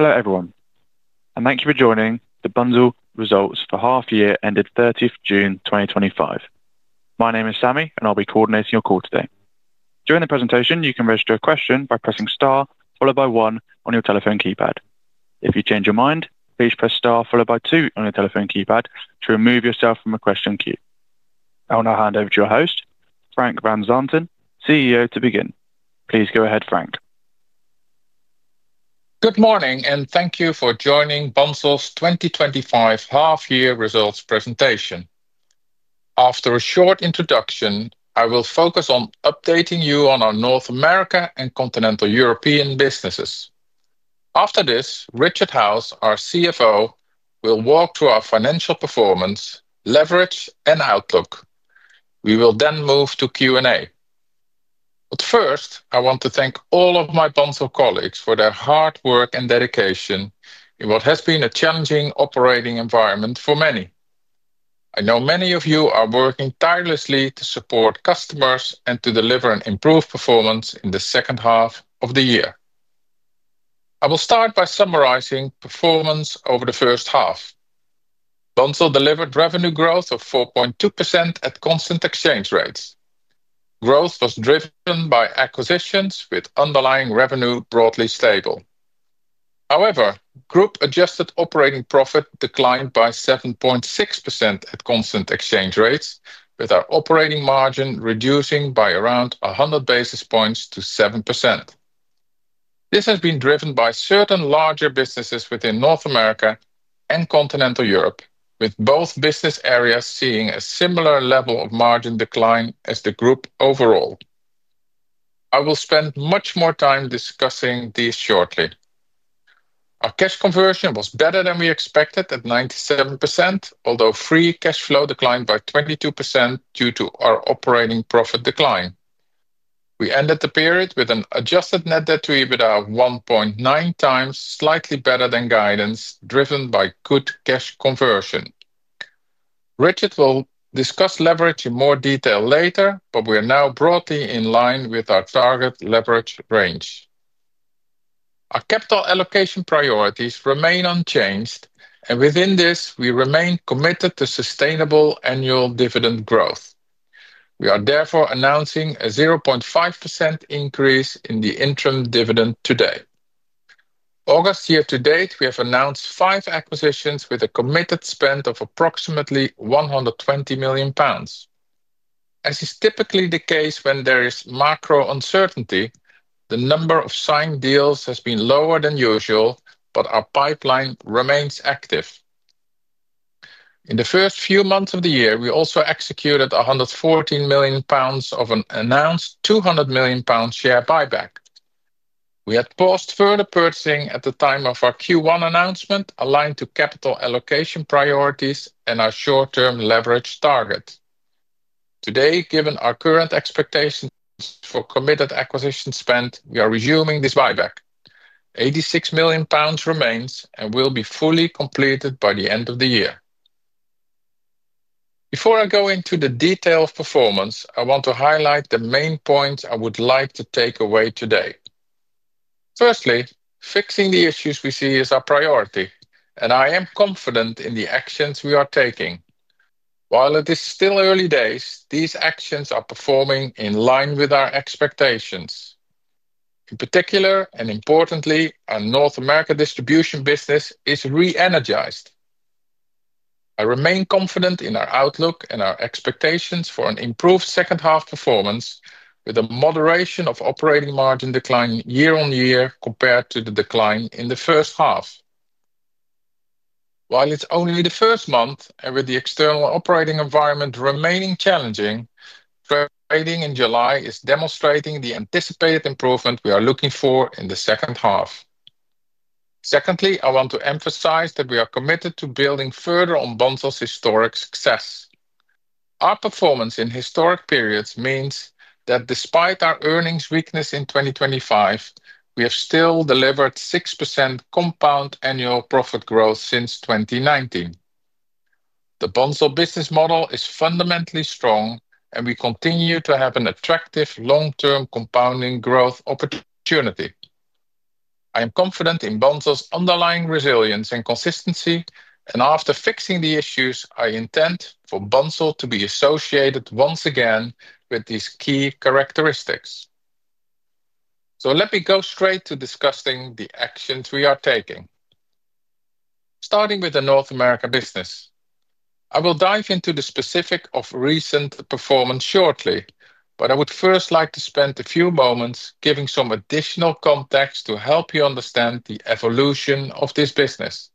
.Hello everyone and thank you for joining the Bunzl Results for half year ended 30 June 2025. My name is Sami and I'll be coordinating your call today. During the presentation, you can register a question by pressing star followed by one on your telephone keypad. If you change your mind, please press star followed by two on your telephone keypad to remove yourself from a question queue. I will now hand over to your host, Frank van Zanten, CEO, to begin. Please go ahead Frank. Good morning and thank you for joining Bunzl's 2025 half year results presentation. After a short introduction, I will focus on updating you on our North America and Continental Europe businesses. After this, Richard Howes, our CFO, will walk through our financial performance, leverage, and outlook. We will then move to Q and A. First, I want to thank all of my Bunzl colleagues for their hard work and dedication in what has been a challenging operating environment for many. I know many of you are working tirelessly to support customers and to deliver an improved performance in the second half of the year. I will start by summarizing performance. Over the first half, Bunzl delivered revenue growth of 4.2% at constant exchange rates. Growth was driven by acquisitions, with underlying revenue broadly stable. However, group adjusted operating profit declined by 7.6% at constant exchange rates, with our operating margin reducing by around 100 basis points to 7%. This has been driven by certain larger businesses within North America and Continental Europe, with both business areas seeing a similar level of margin decline as the group overall. I will spend much more time discussing these shortly. Our cash conversion was better than we expected at 97%, although free cash flow declined by 22% due to our operating profit decline. We ended the period with an adjusted net debt to EBITDA of 1.9x, slightly better than guidance driven by good cash conversion. Richard will discuss leverage in more detail later, but we are now broadly in line with our target leverage range. Our capital allocation priorities remain unchanged, and within this we remain committed to sustainable annual dividend growth. We are therefore announcing a 0.5% increase in the interim dividend today. August year-to-date, we have announced five acquisitions with a committed spend of approximately GBP £120 million. As is typically the case when there is macro uncertainty, the number of signed deals has been lower than usual, but our pipeline remains active in the first few months of the year. We also executed 114 million pounds of an announced 200 million pound share buyback. We had paused further purchasing at the time of our Q1 announcement, aligned to capital allocation priorities and our short term leverage target. Today, given our current expectations for committed acquisition spend, we are resuming this buyback. 86 million pounds remains and will be fully completed by the end of the year. Before I go into the detail of performance, I want to highlight the main points I would like you to take away today. Firstly, fixing the issues we see is our priority, and I am confident in the actions we are taking. While it is still early days, these actions are performing in line with our expectations. In particular, and importantly, our North America distribution business is re-energized. I remain confident in our outlook and our expectations for an improved second half performance with a moderation of operating margin decline year on year compared to the decline in the first half. While it's only the first month, and with the external operating environment remaining challenging, trading in July is demonstrating the anticipated improvement we are looking for in the second half. Secondly, I want to emphasize that we are committed to building further on Bunzl's historic success. Our performance in historic periods means that despite our earnings weakness in 2025, we have still delivered 6% compound annual profit growth since 2019. The Bunzl business model is fundamentally strong, and we continue to have an attractive long-term compounding growth opportunity. I am confident in Bunzl's underlying resilience and consistency, and after fixing the issues, I intend for Bunzl to be associated once again with these key characteristics. Let me go straight to discussing the actions we are taking, starting with the North America business. I will dive into the specifics of recent performance shortly, but I would first like to spend a few moments giving some additional context to help you understand the evolution of this business.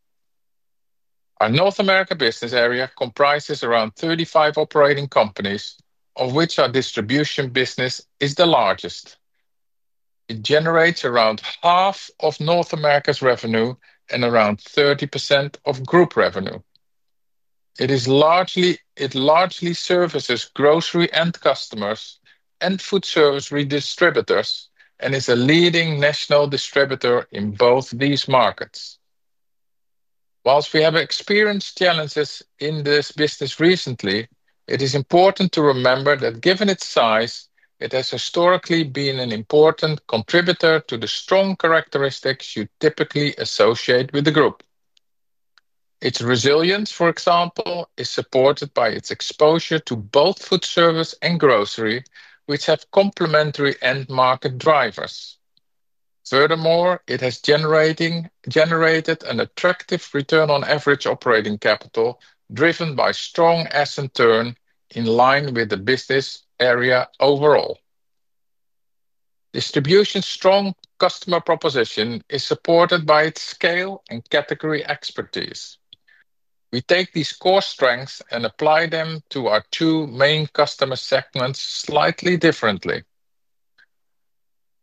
Our North America business area comprises around 35 operating companies, of which our distribution business is the largest. It generates around half of North America's revenue and around 30% of group revenue. It largely services grocery customers and food service redistributors and is a leading national distributor in both these markets. Whilst we have experienced challenges in this business recently, it is important to remember that given its size, it has historically been an important contributor to the strong characteristics you typically associate with the group. Its resilience, for example, is supported by its exposure to both food service and grocery, which have complementary end market drivers. Furthermore, it has generated an attractive return on average operating capital driven by strong asset turn in line with the business area. Overall, distribution's strong customer proposition is supported by its scale and category expertise. We take these core strengths and apply them to our two main customer segments slightly differently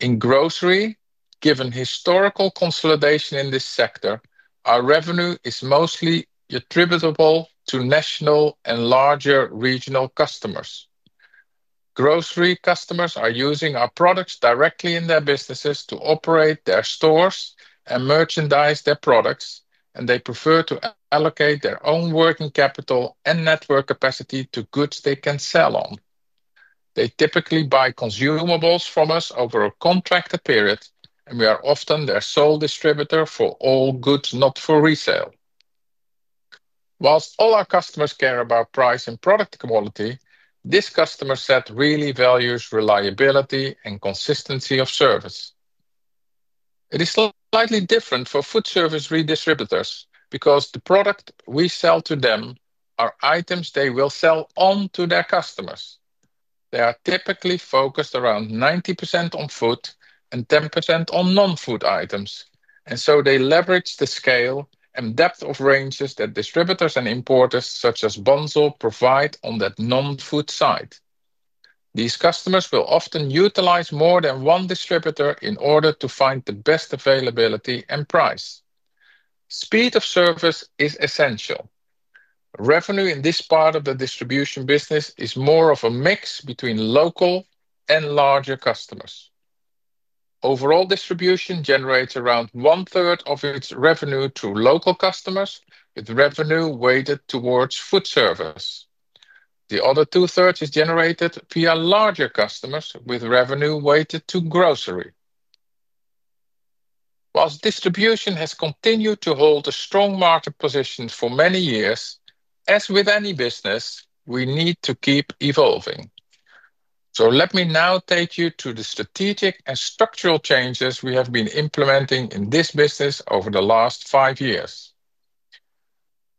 in grocery. Given historical consolidation in this sector, our revenue is mostly attributable to national and larger regional customers. Grocery customers are using our products directly in their businesses to operate their stores and merchandise their products, and they prefer to allocate their own working capital and network capacity to goods they can sell on. They typically buy consumables from us over a contracted period, and we are often their sole distributor for all goods not for resale. Whilst all our customers care about price and product quality, this customer set really values reliability and consistency of service. It is slightly different for foodservice redistributors because the product we sell to them are items they will sell on to their customers. They are typically focused around 90% on food and 10% on non-food items, and so they leverage the scale and depth of ranges that distributors and importers such as Bunzl provide on that non-food side. These customers will often utilize more than one distributor in order to find the best availability and price. Speed of service is essential. Revenue in this part of the distribution business is more of a mix between local and larger customers. Overall, distribution generates around 1/3 of its revenue through local customers, with revenue weighted towards foodservice. The other 2/3 is generated via larger customers, with revenue weighted to grocery. Whilst distribution has continued to hold a strong market position for many years, as with any business, we need to keep evolving. Let me now take you to the strategic and structural changes we have been implementing in this business over the last five years.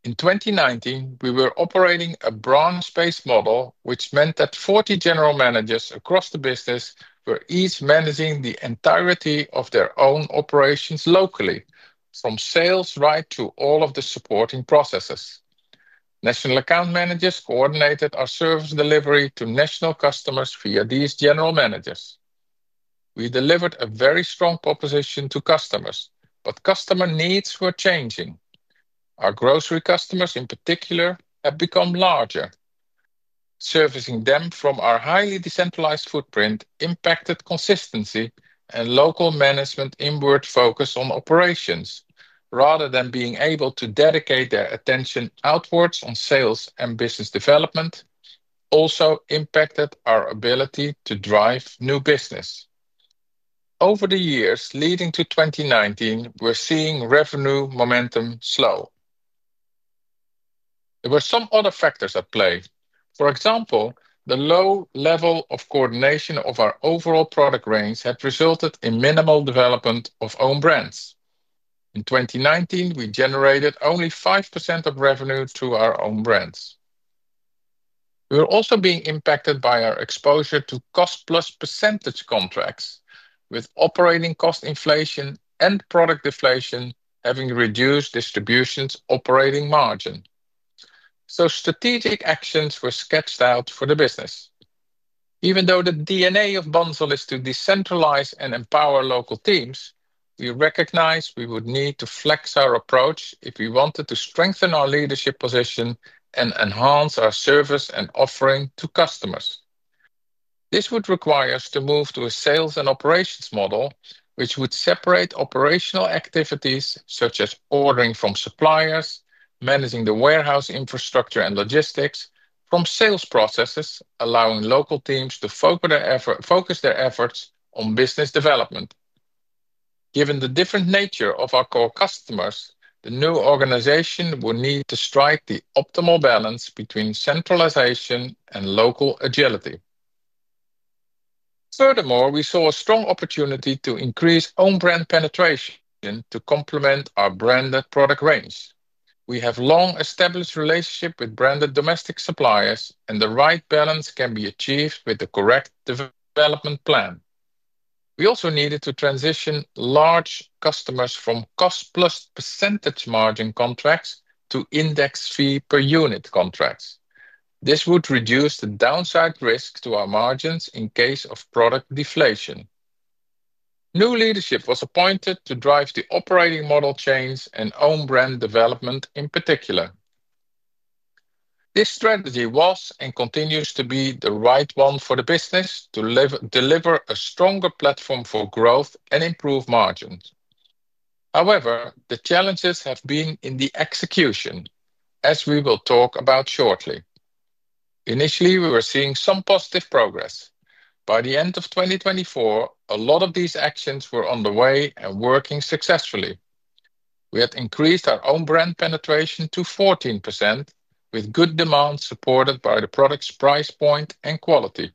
In 2019, we were operating a branch-based model, which meant that 40 general managers across the business were each managing the entirety of their own operations locally, from sales right to all of the supporting processes. National account managers coordinated our service delivery to national customers. Via these general managers, we delivered a very strong proposition to customers. Customer needs were changing. Our grocery customers in particular have become larger. Servicing them from our highly decentralized footprint impacted consistency and local management. Inward focus on operations rather than being able to dedicate their attention outwards on sales and business development also impacted our ability to drive new business. Over the years leading to 2019, we're seeing revenue momentum slow. There were some other factors at play. For example, the low level of coordination of our overall product range had resulted in minimal development of own brand. In 2019, we generated only 5% of revenue through our own brand. We were also being impacted by our exposure to cost plus percentage contracts with operating cost inflation and product deflation having reduced distribution's operating margin. Strategic actions were sketched out for the business. Even though the DNA of Bunzl is to decentralize and empower local teams, we recognize we would need to flex our approach if we wanted to strengthen our leadership position and enhance our service and offering to customers. This would require us to move to a sales and operations model which would separate operational activities such as ordering from suppliers, managing the warehouse infrastructure and logistics from sales processes, allowing local teams to focus their efforts on business development. Given the different nature of our core customers, the new organization will need to strike the optimal balance between centralization and local agility. Furthermore, we saw a strong opportunity to increase own brand penetration to complement our branded product range. We have long established relationships with branded domestic suppliers and the right balance can be achieved with the correct development plan. We also needed to transition large customers from cost plus percentage margin contracts to index fee per unit contracts. This would reduce the downside risk to our margins in case of product deflation. New leadership was appointed to drive the operating model change and own brand development. In particular, this strategy was and continues to be the right one for the business to deliver a stronger platform for growth and improve margins. However, the challenges have been in the execution as we will talk about shortly. Initially, we were seeing some positive progress. By the end of 2024, a lot of these actions were underway and working successfully. We had increased our own brand penetration to 14% with good demand supported by the product's price point and quality.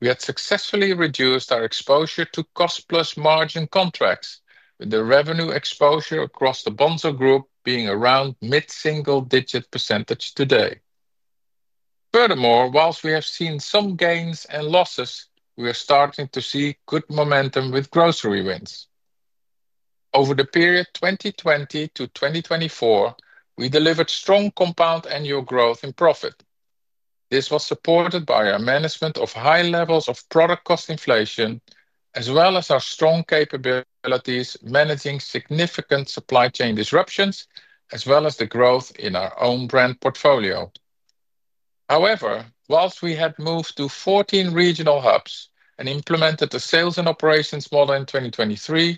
We had successfully reduced our exposure to cost plus margin contracts with the revenue exposure across the Bunzl group being around mid single digit percentage today. Furthermore, whilst we have seen some gains and losses, we are starting to see good momentum with grocery wins. Over the period 2020-2024 we delivered strong compound annual growth in profit. This was supported by our management of high levels of product cost inflation as well as our strong capabilities managing significant supply chain disruptions as well as the growth in our own brand portfolio. However, whilst we had moved to 14 regional hubs and implemented the sales and operations model in 2023,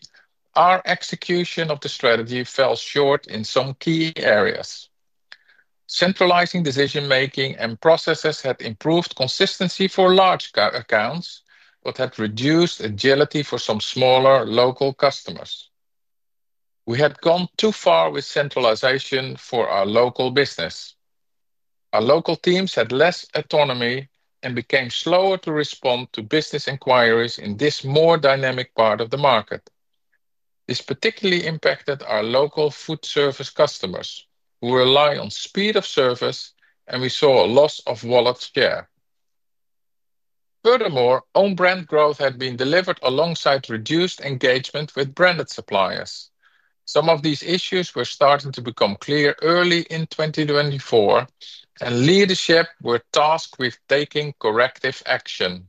our execution of the strategy fell short in some key areas. Centralizing decision making and processes had improved consistency for large accounts but had reduced agility for some smaller local customers. We had gone too far with centralization for our local business. Our local teams had less autonomy and became slower to respond to business inquiries in this more dynamic part of the market. This particularly impacted our local food service customers who rely on speed of service and we saw a loss of wallet share. Furthermore, own brand growth had been delivered alongside reduced engagement with preferred branded suppliers. Some of these issues were starting to become clear early in 2024 and leadership were tasked with taking corrective action,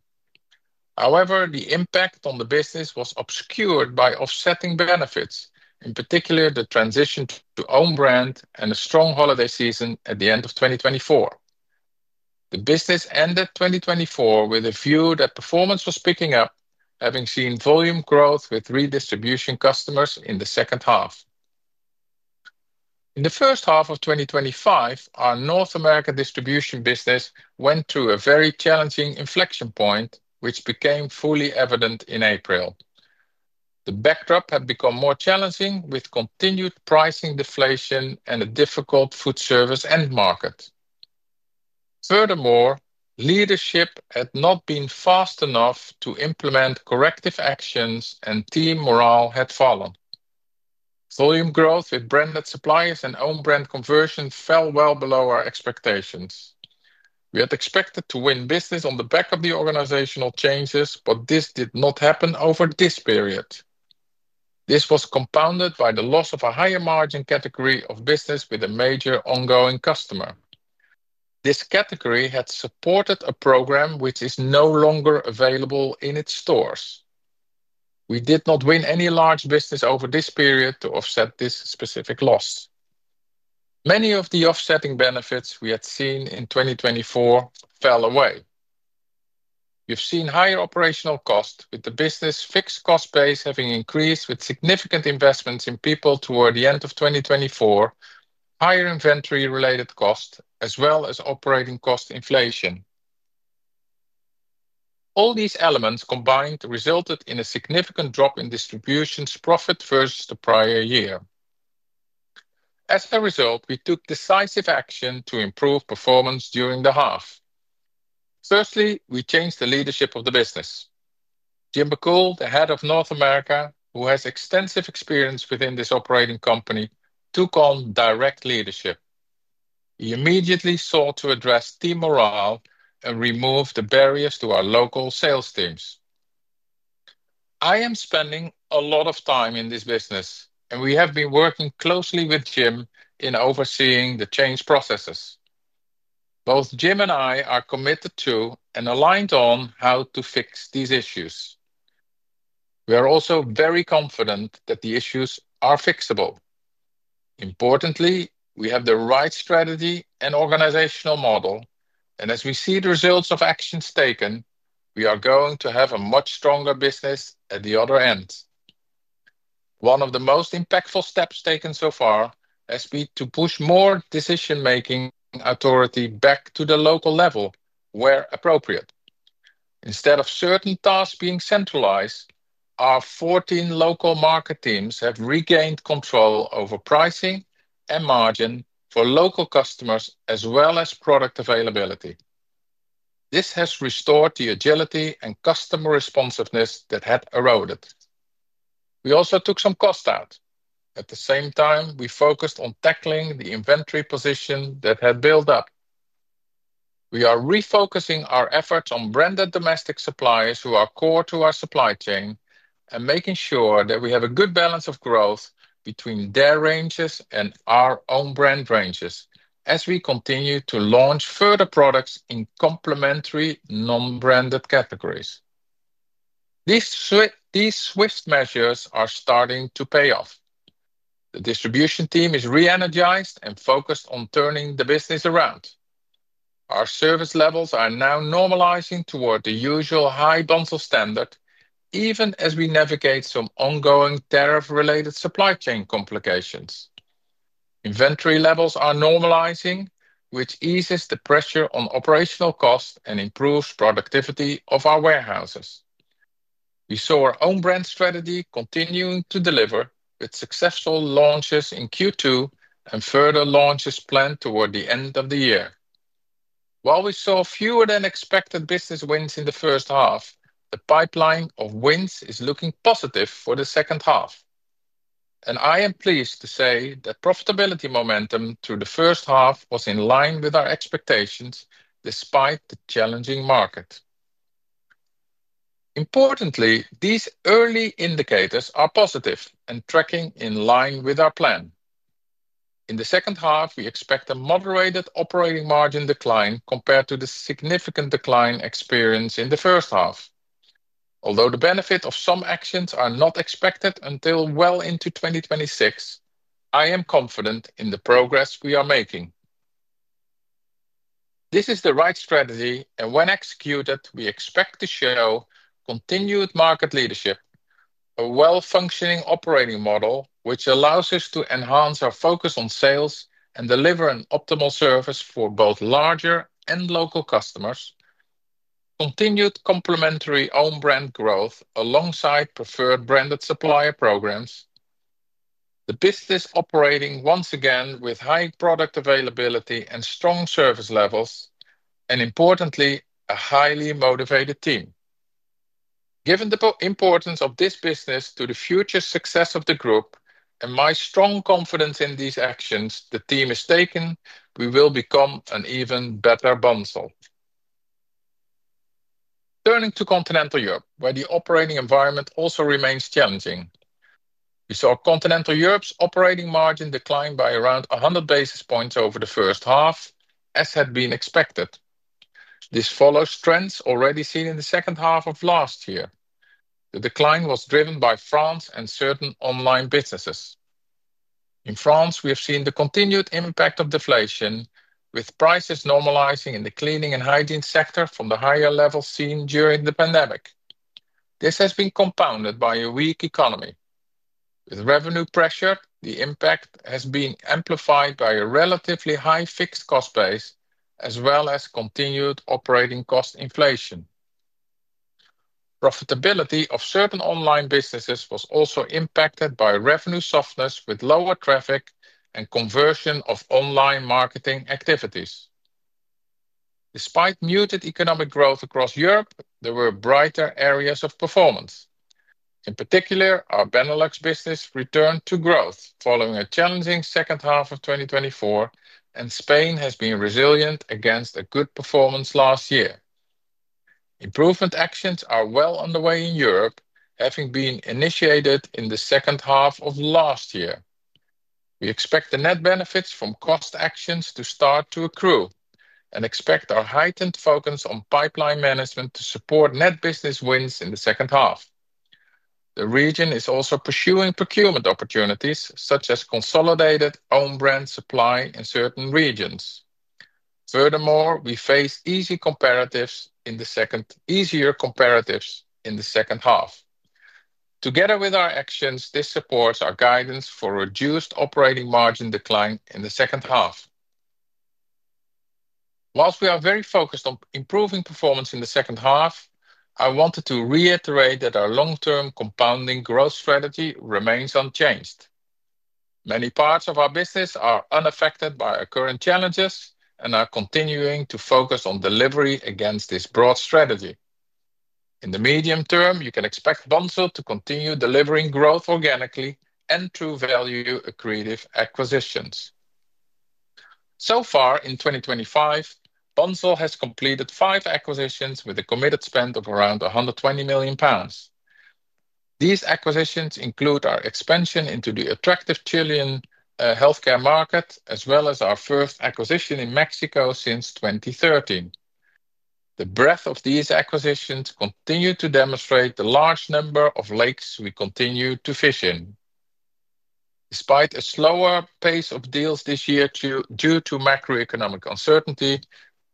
however, the impact on the business was obscured by offsetting benefits, in particular the transition to own brand and a strong holiday season at the end of 2024. The business ended 2024 with a view that performance was picking up. Having seen volume growth with redistribution customers in the second half, in the first half of 2025, our North America distribution business went through a very challenging inflection point which became fully evident in April. The backdrop had become more challenging with continued pricing deflation and a difficult foodservice end market. Furthermore, leadership had not been fast enough to implement corrective actions and team morale had fallen. Volume growth with preferred branded suppliers and own brand conversion fell well below our expectations. We had expected to win business on the back of the organizational changes, but this did not happen over this period. This was compounded by the loss of a higher margin category of business with a major ongoing customer. This category had supported a program which is no longer available in its stores. We did not win any large business over this period to offset this specific loss. Many of the offsetting benefits we had seen in 2024 fell away. We've seen higher operational cost with the business fixed cost base having increased with significant investments in people toward the end of 2024. Higher inventory related cost as well as operating cost inflation. All these elements combined resulted in a significant drop in distribution's profit versus the prior year. As a result, we took decisive action to improve performance during the half. Firstly, we changed the leadership of the business. Jim McCool, the head of North America who has extensive experience within this operating company, took on direct leadership. He immediately sought to address team morale and remove the barriers to our local sales teams. I am spending a lot of time in this business and we have been working closely with Jim in overseeing the change processes. Both Jim and I are committed to and aligned on how to fix these issues. We are also very confident that the issues are fixable. Importantly, we have the right strategy and organizational model and as we see the results of actions taken, we are going to have a much stronger business at the other end. One of the most impactful steps taken so far has been to push more decision making authority back to the local level where appropriate. Instead of certain tasks being centralized, our 14 local market teams have regained control over pricing and margin for local customers as well as product availability. This has restored the agility and customer responsiveness that had eroded. We also took some cost out. At the same time, we focused on tackling the inventory position that had built up. We are refocusing our efforts on branded domestic suppliers who are core to our supply chain and making sure that we have a good balance of growth between their ranges and our own brand ranges. As we continue to launch further products in complementary non branded categories, these swift measures are starting to pay off. The distribution team is re-energized and focused on turning the business around. Our service levels are now normalizing toward the usual high Bunzl standard. Even as we navigate some ongoing tariff related supply chain complications. Inventory levels are normalizing which eases the pressure on operational cost and improves productivity of our warehouses. We saw our own brand strategy continuing to deliver with successful launches in Q2 and further launches planned toward the end of the year. While we saw fewer than expected business wins in the first half, the pipeline of wins is looking positive for the second half and I am pleased to say that profitability momentum through the first half was in line with our expectations despite the challenging market. Importantly, these early indicators are positive and tracking in line with our plan. In the second half, we expect a moderated operating margin decline compared to the significant decline experienced in the first half. Although the benefit of some actions are not expected until well into 2026, I am confident in the progress we are making. This is the right strategy and when executed we expect the continued market leadership, a well-functioning operating model which allows us to enhance our focus on sales and deliver an optimal service for both larger and local customers. Continued complementary own brand growth alongside preferred branded supplier programs, the business operating once again with high product availability and strong service levels and importantly a highly motivated team. Given the importance of this business to the future success of the group and my strong confidence in these actions the team has taken, we will become an even better Bunzl. Turning to Continental Europe, where the operating environment also remains challenging, we saw Continental Europe's operating margin decline by around 100 basis points over the first half as had been expected. This follows trends already seen in the second half of last year. The decline was driven by France and certain online businesses. In France, we have seen the continued impact of deflation with prices normalizing in the cleaning and hygiene sector from the higher levels seen during the pandemic. This has been compounded by a weak economy with revenue pressure. The impact has been amplified by a relatively high fixed cost base as well as continued operating cost inflation. Profitability of certain online businesses was also impacted by revenue softness with lower traffic and conversion of online marketing activities. Despite muted economic growth across Europe, there were brighter areas of performance. In particular, our Benelux business returned to growth following a challenging second half of 2024 and Spain has been resilient against a good performance last year. Improvement actions are well underway in Europe, having been initiated in the second half of last year. We expect the net benefits from cost actions to start to accrue and expect our heightened focus on pipeline management to support net business wins in the second half. The region is also pursuing procurement opportunities, such as consolidated own brand supply in certain regions. Furthermore, we face easier comparatives in the second half. Together with our actions, this supports our guidance for reduced operating margin decline in the second half. Whilst we are very focused on improving performance in the second half, I wanted to reiterate that our long term compounding growth strategy remains unchanged. Many parts of our business are unaffected by our current challenges and are continuing to focus on delivery against this broad strategy. In the medium term, you can expect Bunzl to continue delivering growth organically and through value accretive acquisitions. So far in 2024, Bunzl has completed five acquisitions with a committed spend of around 120 million pounds. These acquisitions include our expansion into the attractive Chile healthcare market as well as our first acquisition in Mexico since 2013. The breadth of these acquisitions continues to demonstrate the large number of lakes we continue to fish in. Despite a slower pace of deals this year due to macroeconomic uncertainty,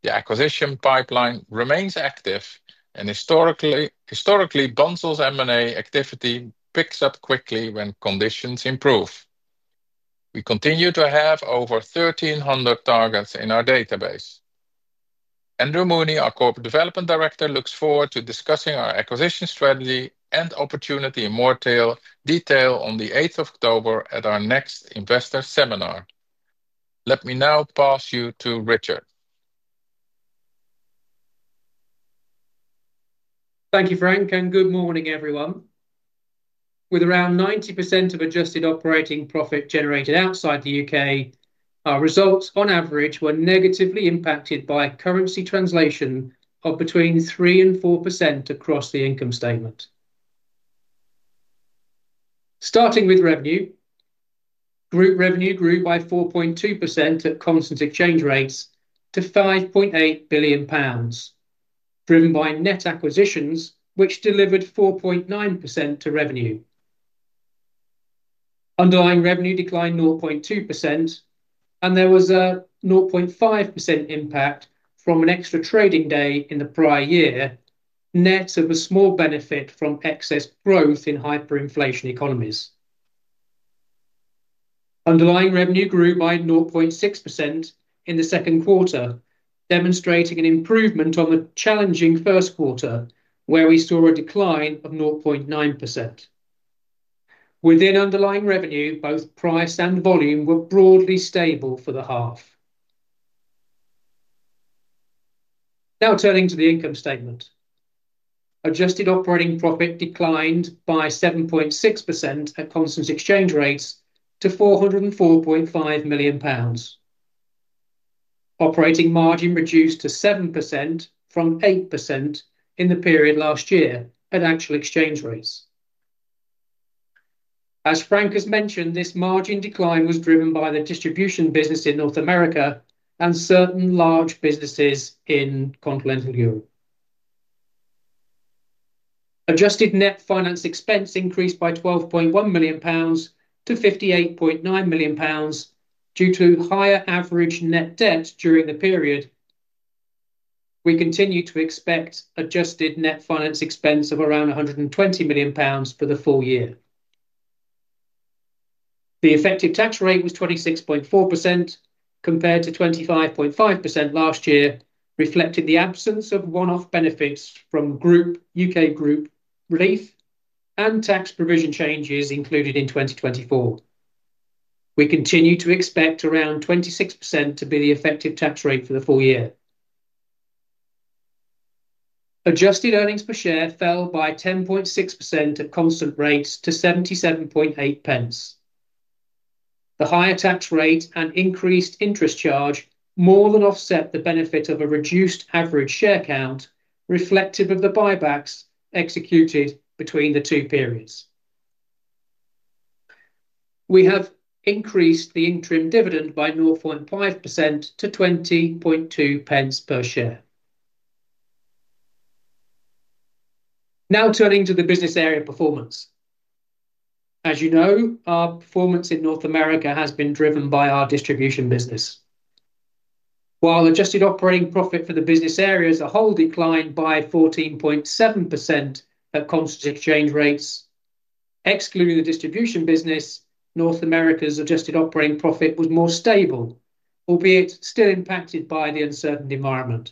the M&A pipeline remains active and historically Bunzl's M&A activity picks up quickly when conditions improve. We continue to have over 1,300 targets in our database. Andrew Mooney, our Corporate Development Director, looks forward to discussing our acquisition strategy and opportunity in more detail on the 8th of October at our next investor seminar. Let me now pass you to Richard. Thank you, Frank, and good morning, everyone. With around 90% of adjusted operating profit generated outside the U.K., our results on average were negatively impacted by currency translation of between 3%-4% across the income statement. Starting with revenue, group revenue grew by 4.2% at constant exchange rates to GBP £5.8 billion, driven by net acquisitions which delivered 4.9% to revenue. Underlying revenue declined 0.2%, and there was a 0.5% impact from an extra trading day in the prior year, net of a small benefit from excess growth in hyperinflation economies. Underlying revenue grew by 0.6% in the second quarter, demonstrating an improvement on the challenging first quarter where we saw a decline of 0.9% within underlying revenue. Both price and volume were broadly stable for the half. Now turning to the income statement, adjusted operating profit declined by 7.6% at constant exchange rates to 404.5 million pounds. Operating margin reduced to 7% from 8% in the period last year at actual exchange rates. As Frank has mentioned, this margin decline was driven by the distribution business in North America and certain large businesses in Continental Europe. Adjusted net finance expense increased by 12.1 million-58.9 million pounds due to higher average net debt during the period. We continue to expect adjusted net finance expense of around 120 million pounds for the full year. The effective tax rate was 26.4% compared to 25.5% last year, reflecting the absence of one-off benefits from U.K. group relief and tax provision changes included in 2024. We continue to expect around 26% to be the effective tax rate for the full year. Adjusted earnings per share fell by 10.6% at constant rates to 77.8 pence. The higher tax rate and increased interest charge more than offset the benefit of a reduced average share count, reflective of the buybacks executed between the two periods. We have increased the interim dividend by 0.5% to 20.2 pence per share. Now turning to the business area performance. As you know, our performance in North America has been driven by our distribution business. While adjusted operating profit for the business area as a whole declined by 14.7% at constant exchange rates, excluding the distribution business, North America's adjusted operating profit was more stable, albeit still impacted by the uncertainty environment.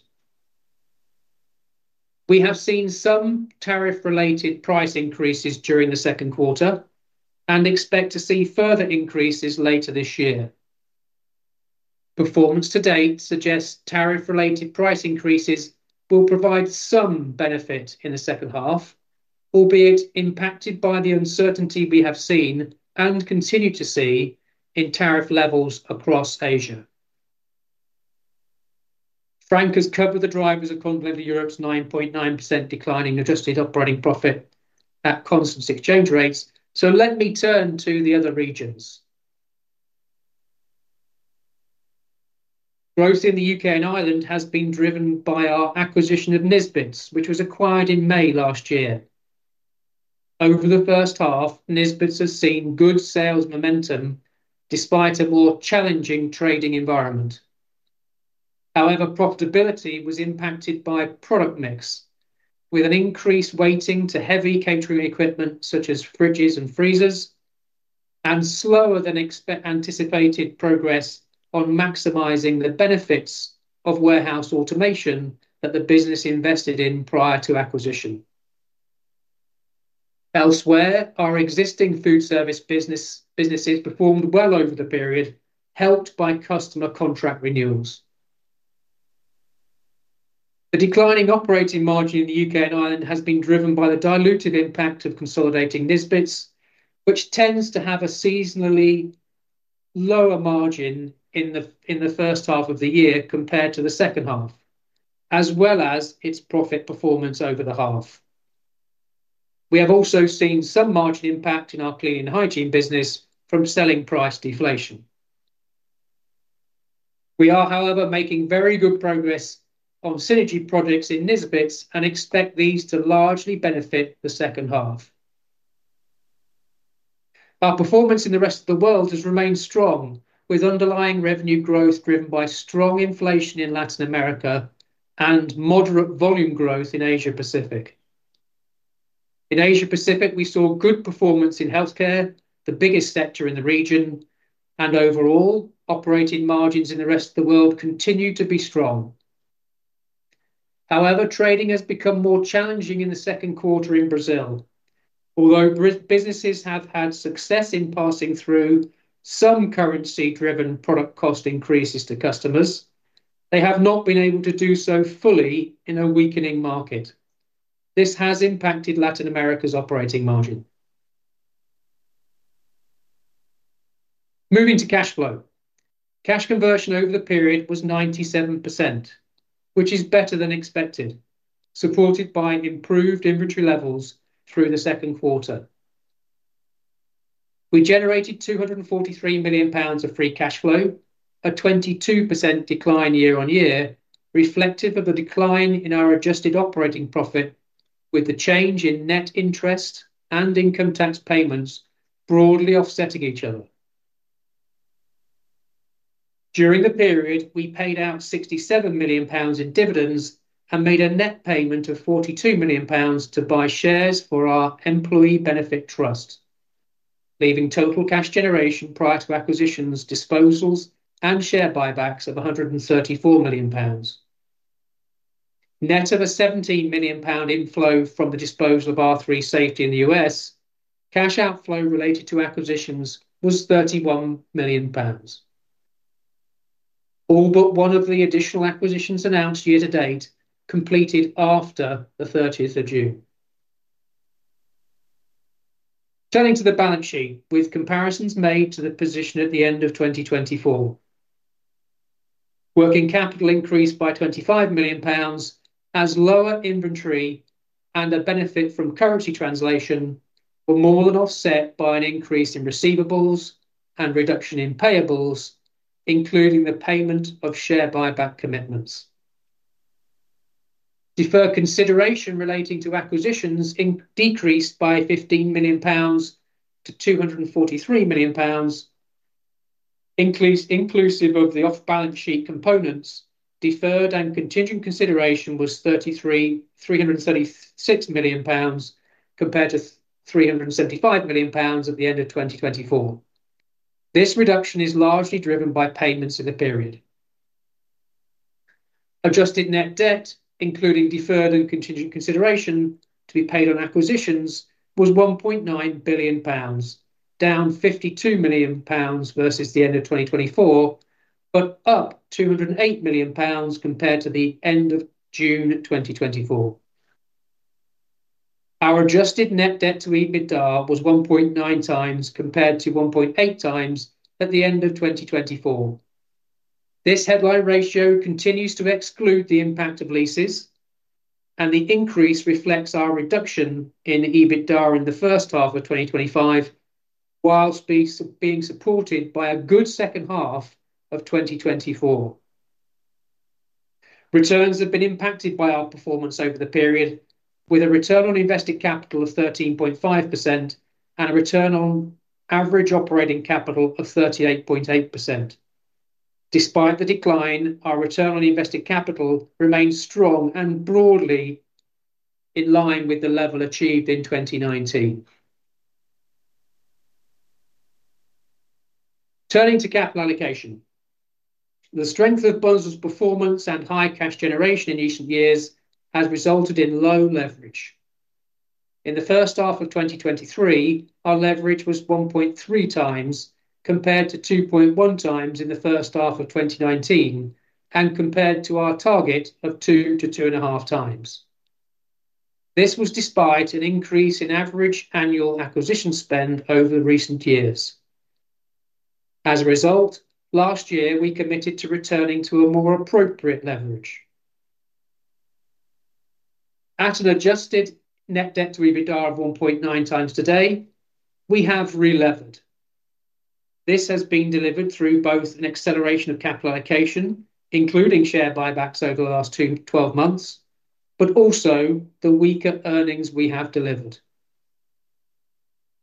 We have seen some tariff related price increases during the second quarter and expect to see further increases later this year. Performance to date suggests tariff related price increases will provide some benefit in the second half, albeit impacted by the uncertainty we have seen and continue to see in tariff levels across Asia. Frank van Zanten has covered the drivers of Continental Europe's 9.9% declining adjusted operating profit at constant exchange rates. Let me turn to the other regions. Growth in the U.K. and Ireland has been driven by our acquisition of Nisbets, which was acquired in May last year. Over the first half, Nisbets has seen good sales momentum despite a more challenging trading environment. However, profitability was impacted by product mix with an increased weighting to heavy catering equipment such as fridges and freezers and slower than anticipated progress on maximizing the benefits of warehouse automation that the business invested in prior to acquisition. Elsewhere, our existing food service businesses performed well over the period, helped by customer contract renewals. The declining operating margin in the U.K. and Ireland has been driven by the dilutive impact of consolidating Nisbets, which tends to have a seasonally lower margin in the first half of the year compared to the second half as well as its profit performance over the half. We have also seen some margin impact in our cleaning and hygiene business from selling price deflation. We are, however, making very good progress on synergy projects in Nisbets and expect these to largely benefit the second half. Our performance in the rest of the world has remained strong with underlying revenue growth driven by strong inflation in Latin America and moderate volume growth in Asia Pacific. In Asia Pacific, we saw good performance in healthcare, the biggest sector in the region, and overall operating margins in the rest of the world continued to be strong. However, trading has become more challenging in the second quarter in Brazil. Although businesses have had success in passing through some currency driven product cost increases to customers, they have not been able to do so fully in a weakening market. This has impacted Latin America's operating margin. Moving to cash flow, cash conversion over the period was 97% which is better than expected, supported by improved inventory levels. Through the second quarter we generated 243 million pounds of free cash flow, a 22% decline year-on-year, reflective of the decline in our adjusted operating profit, with the change in net interest and income tax payments broadly offsetting each other during the period. We paid out 67 million pounds in dividends and made a net payment of 42 million pounds to buy shares for our employee benefit trust, leaving total cash generation prior to acquisitions, disposals, and share buybacks of 134 million pounds, net of a 17 million pound inflow from the disposal of R3 Safety. In the U.S., cash outflow related to acquisitions was 31 million pounds. All but one of the additional acquisitions announced year to date completed after 30 June. Turning to the balance sheet, with comparisons made to the position at the end of 2024, working capital increased by 25 million pounds as lower inventory and a benefit from currency translation were more than offset by an increase in receivables and reduction in payables, including the payment of share buyback commitments. Deferred consideration relating to acquisitions decreased by 15 million pounds to 243 million pounds, inclusive of the off balance sheet components. Deferred and contingent consideration was 336 million pounds compared to 375 million pounds at the end of 2024. This reduction is largely driven by payments in the period. Adjusted net debt, including deferred and contingent consideration to be paid on acquisitions, was 1.9 billion pounds, down 52 million pounds versus the end of 2024, but up 208 million pounds compared to the end of June 2024. Our adjusted net debt to EBITDA was 1.9x compared to 1.8x at the end of 2024. This headline ratio continues to exclude the impact of leases, and the increase reflects our reduction in EBITDA in the first half of 2025 whilst being supported by a good second half of 2024. Returns have been impacted by our performance over the period, with a return on invested capital of 13.5% and a return on average operating capital of 38.8%. Despite the decline, our return on invested capital remains strong and broadly in line with the level achieved in 2019. Turning to capital allocation, the strength of Bunzl's performance and high cash generation in recent years has resulted in low leverage. In the first half of 2023, our leverage was 1.3x compared to 2.1x in the first half of 2019 and compared to our target of 2x-2.5x. This was despite an increase in average annual acquisition spend over recent years. As a result, last year we committed to returning to a more appropriate level at an adjusted net debt to EBITDA of 1.9x. Today we have re-levered. This has been delivered through both an acceleration of capital allocation, including share buybacks over the last 12 months, but also the weaker earnings we have delivered.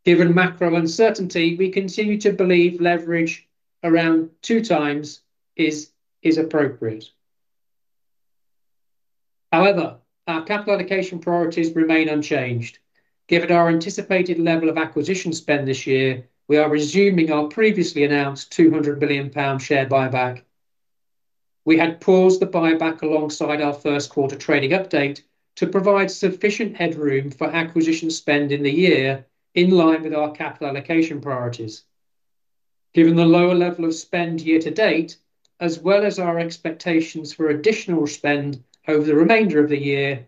Given macro uncertainty, we continue to believe leverage around 2x is appropriate. However, our capital allocation priorities remain unchanged. Given our anticipated level of acquisition spend this year, we are resuming our previously announced 200 million pound share buyback. We had paused the buyback alongside our first quarter trading update to provide sufficient headroom for acquisition spend in the year in line with our capital allocation priorities. Given the lower level of spend year to date as well as our expectations for additional spend over the remainder of the year,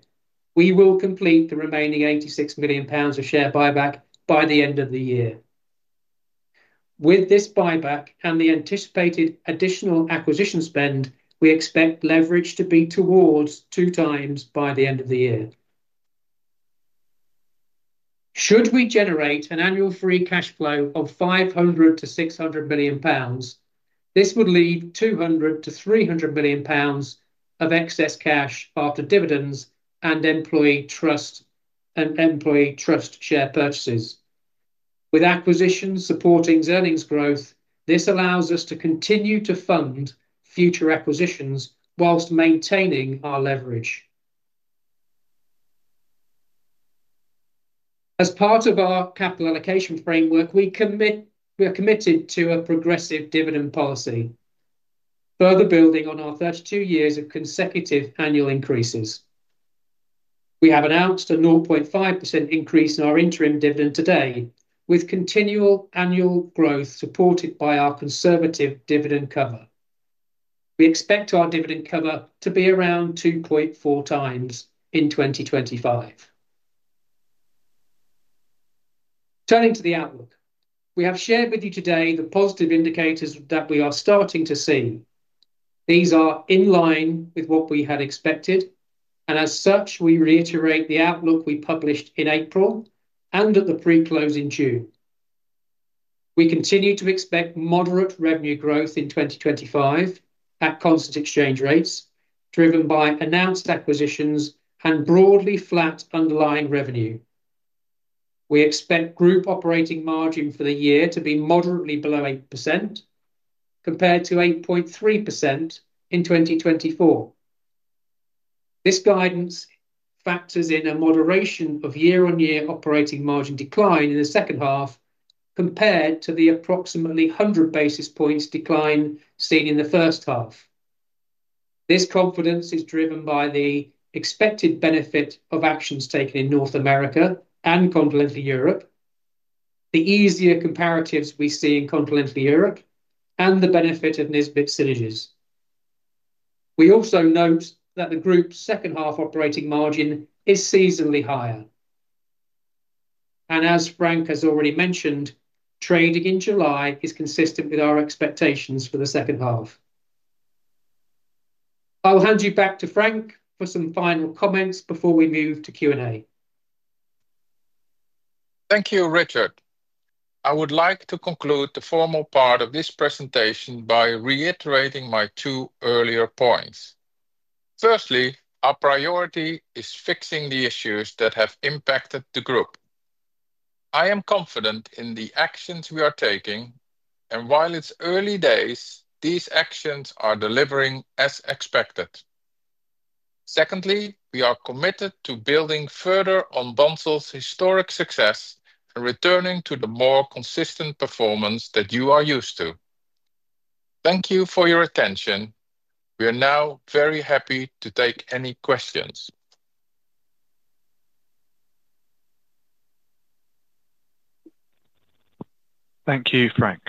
we will complete the remaining 86 million pounds of share buyback by the end of the year. With this buyback and the anticipated additional acquisition spend, we expect leverage to be towards 2x by the end of the year. Should we generate an annual free cash flow of 500 million-600 million pounds, this would leave 200 million-300 million pounds of excess cash after dividends and employee trust share purchases with acquisitions supporting earnings growth. This allows us to continue to fund future acquisitions whilst maintaining our leverage. As part of our capital allocation framework, we are committed to a progressive dividend policy. Further building on our 32 years of consecutive annual increases, we have announced a 0.5% increase in our interim dividend today with continual annual growth supported by our conservative dividend coverage. We expect our dividend cover to be around 2.4x in 2025. Turning to the outlook we have shared with you today, the positive indicators that we are starting to see. These are in line with what we had expected and as such we reiterate the outlook we published in April and at the pre-close in June. We continue to expect moderate revenue growth in 2025 at constant exchange rates driven by announced acquisitions and broadly flat underlying revenue. We expect group operating margin for the year to be moderately below 8% compared to 8.3% in 2024. This guidance factors in a moderation of year-on-year operating margin decline in the second half compared to the approximately 100 basis points decline seen in the first half. This confidence is driven by the expected benefit of actions taken in North America and Continental Europe, the easier comparatives we see in Continental Europe, and the benefit of Nisbets synergies. We also note that the group's second half operating margin is seasonally higher. And. As Frank has already mentioned, trading in July is consistent with our expectations for the second half. I will hand you back to Frank for some final comments before we move to Q&A. Thank you, Richard. I would like to conclude the formal part of this presentation by reiterating my two earlier points. Firstly, our priority is fixing the issues that have impacted the group. I am confident in the actions we are taking, and while it's early days, these actions are delivering as expected. Secondly, we are committed to building further on Bunzl's historic success and returning to the more consistent performance that you are used to. Thank you for your attention. We are now very happy to take any questions. Thank you, Frank.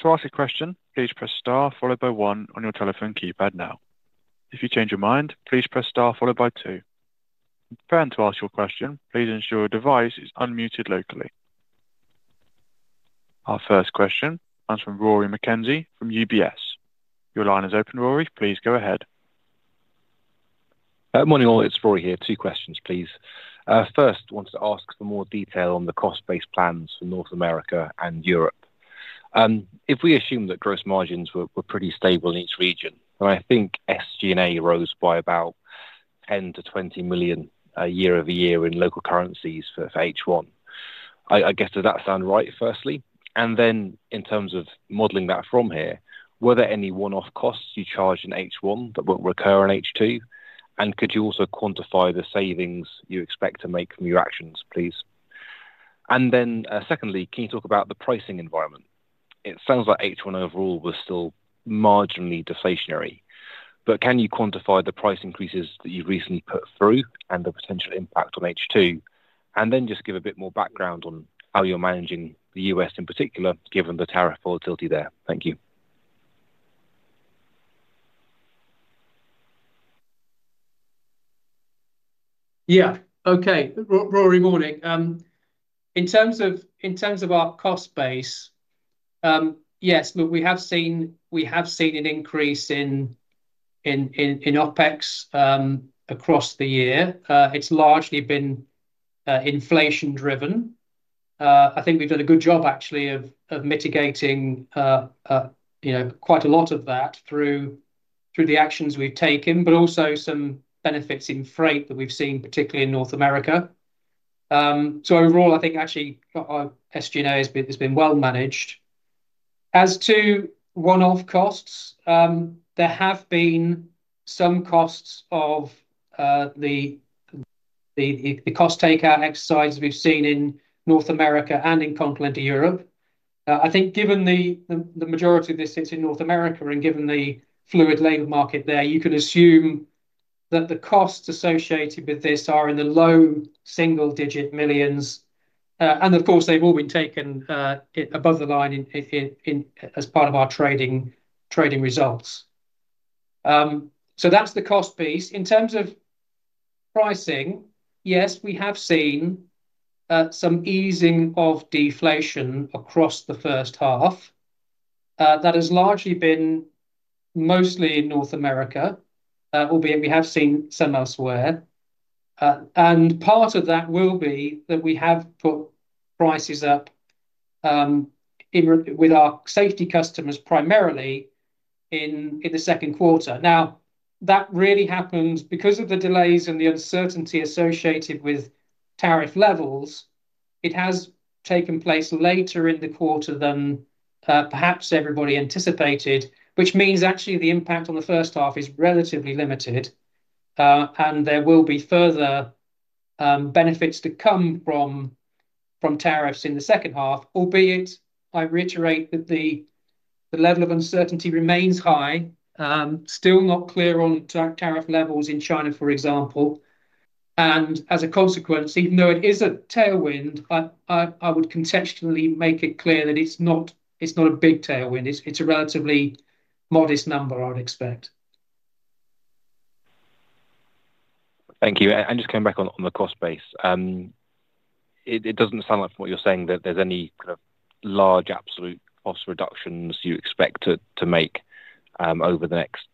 To ask a question, please press star followed by one on your telephone keypad. If you change your mind, please press star followed by two. Preparing to ask your question. Please ensure your device is unmuted locally. Our first question comes from Rory McKenzie from UBS. Your line is open. Rory, please go ahead. Good morning all, it's Rory here. Two questions please. First, wanted to ask for more detail on the cost base plans for North America and Europe. If we assume that gross margins were pretty stable in each region, I think SG&A rose by about 10 million-20 million year-over-year in local currencies. For H1, does that sound right? In terms of modeling that from here, were there any one-off costs you charged in H1 that won't recur in H2? Could you also quantify the savings you expect to make from your actions, please? Secondly, can you talk about the pricing environment? It sounds like H1 overall was still marginally deflationary. Can you quantify the price increases that you've recently put through and the potential impact on H2, and then just give a bit more background on how you're managing the U.S. in particular given the tariff volatility there? Thank you. Yeah. Okay. Rory. Morning. In terms of our cost base, yes, we have seen an increase in OpEx across the year. It's largely been inflation driven. I think we've done a good job actually of mitigating quite a lot of that through the actions we've taken, but also some benefits in freight that we've seen, particularly in North America. Overall, I think actually SG&A has been well managed. As to one-off costs, there have been some costs of the cost takeout exercises we've seen in North America and in Continental Europe. I think given the majority of this is in North America and given the fluid labor market there, you can assume that the costs associated with this are in the low single digit millions. Of course, they've all been taken above the line as part of our trading results. That's the cost piece. In terms of pricing, yes, we have seen some easing of deflation across the first half. That has largely been mostly in North America, albeit we have seen some elsewhere. Part of that will be that we have put prices up with our safety customers, primarily in the second quarter. That really happens because of the delays and the uncertainty associated with tariff levels. It has taken place later in the quarter than perhaps everybody anticipated, which means actually the impact on the first half is relatively limited and there will be further benefits to come from tariffs in the second half, albeit I reiterate that the level of uncertainty remains high. Still not clear on tariff levels in China, for example. As a consequence, even though it is a tariff tailwind, I would conceptually make it clear that it's not a big tailwind. It's a relatively modest number I would expect. Thank you. Just coming back on the cost base, it doesn't sound like what you're saying is that there's any large absolute cost reductions you expect to make over the next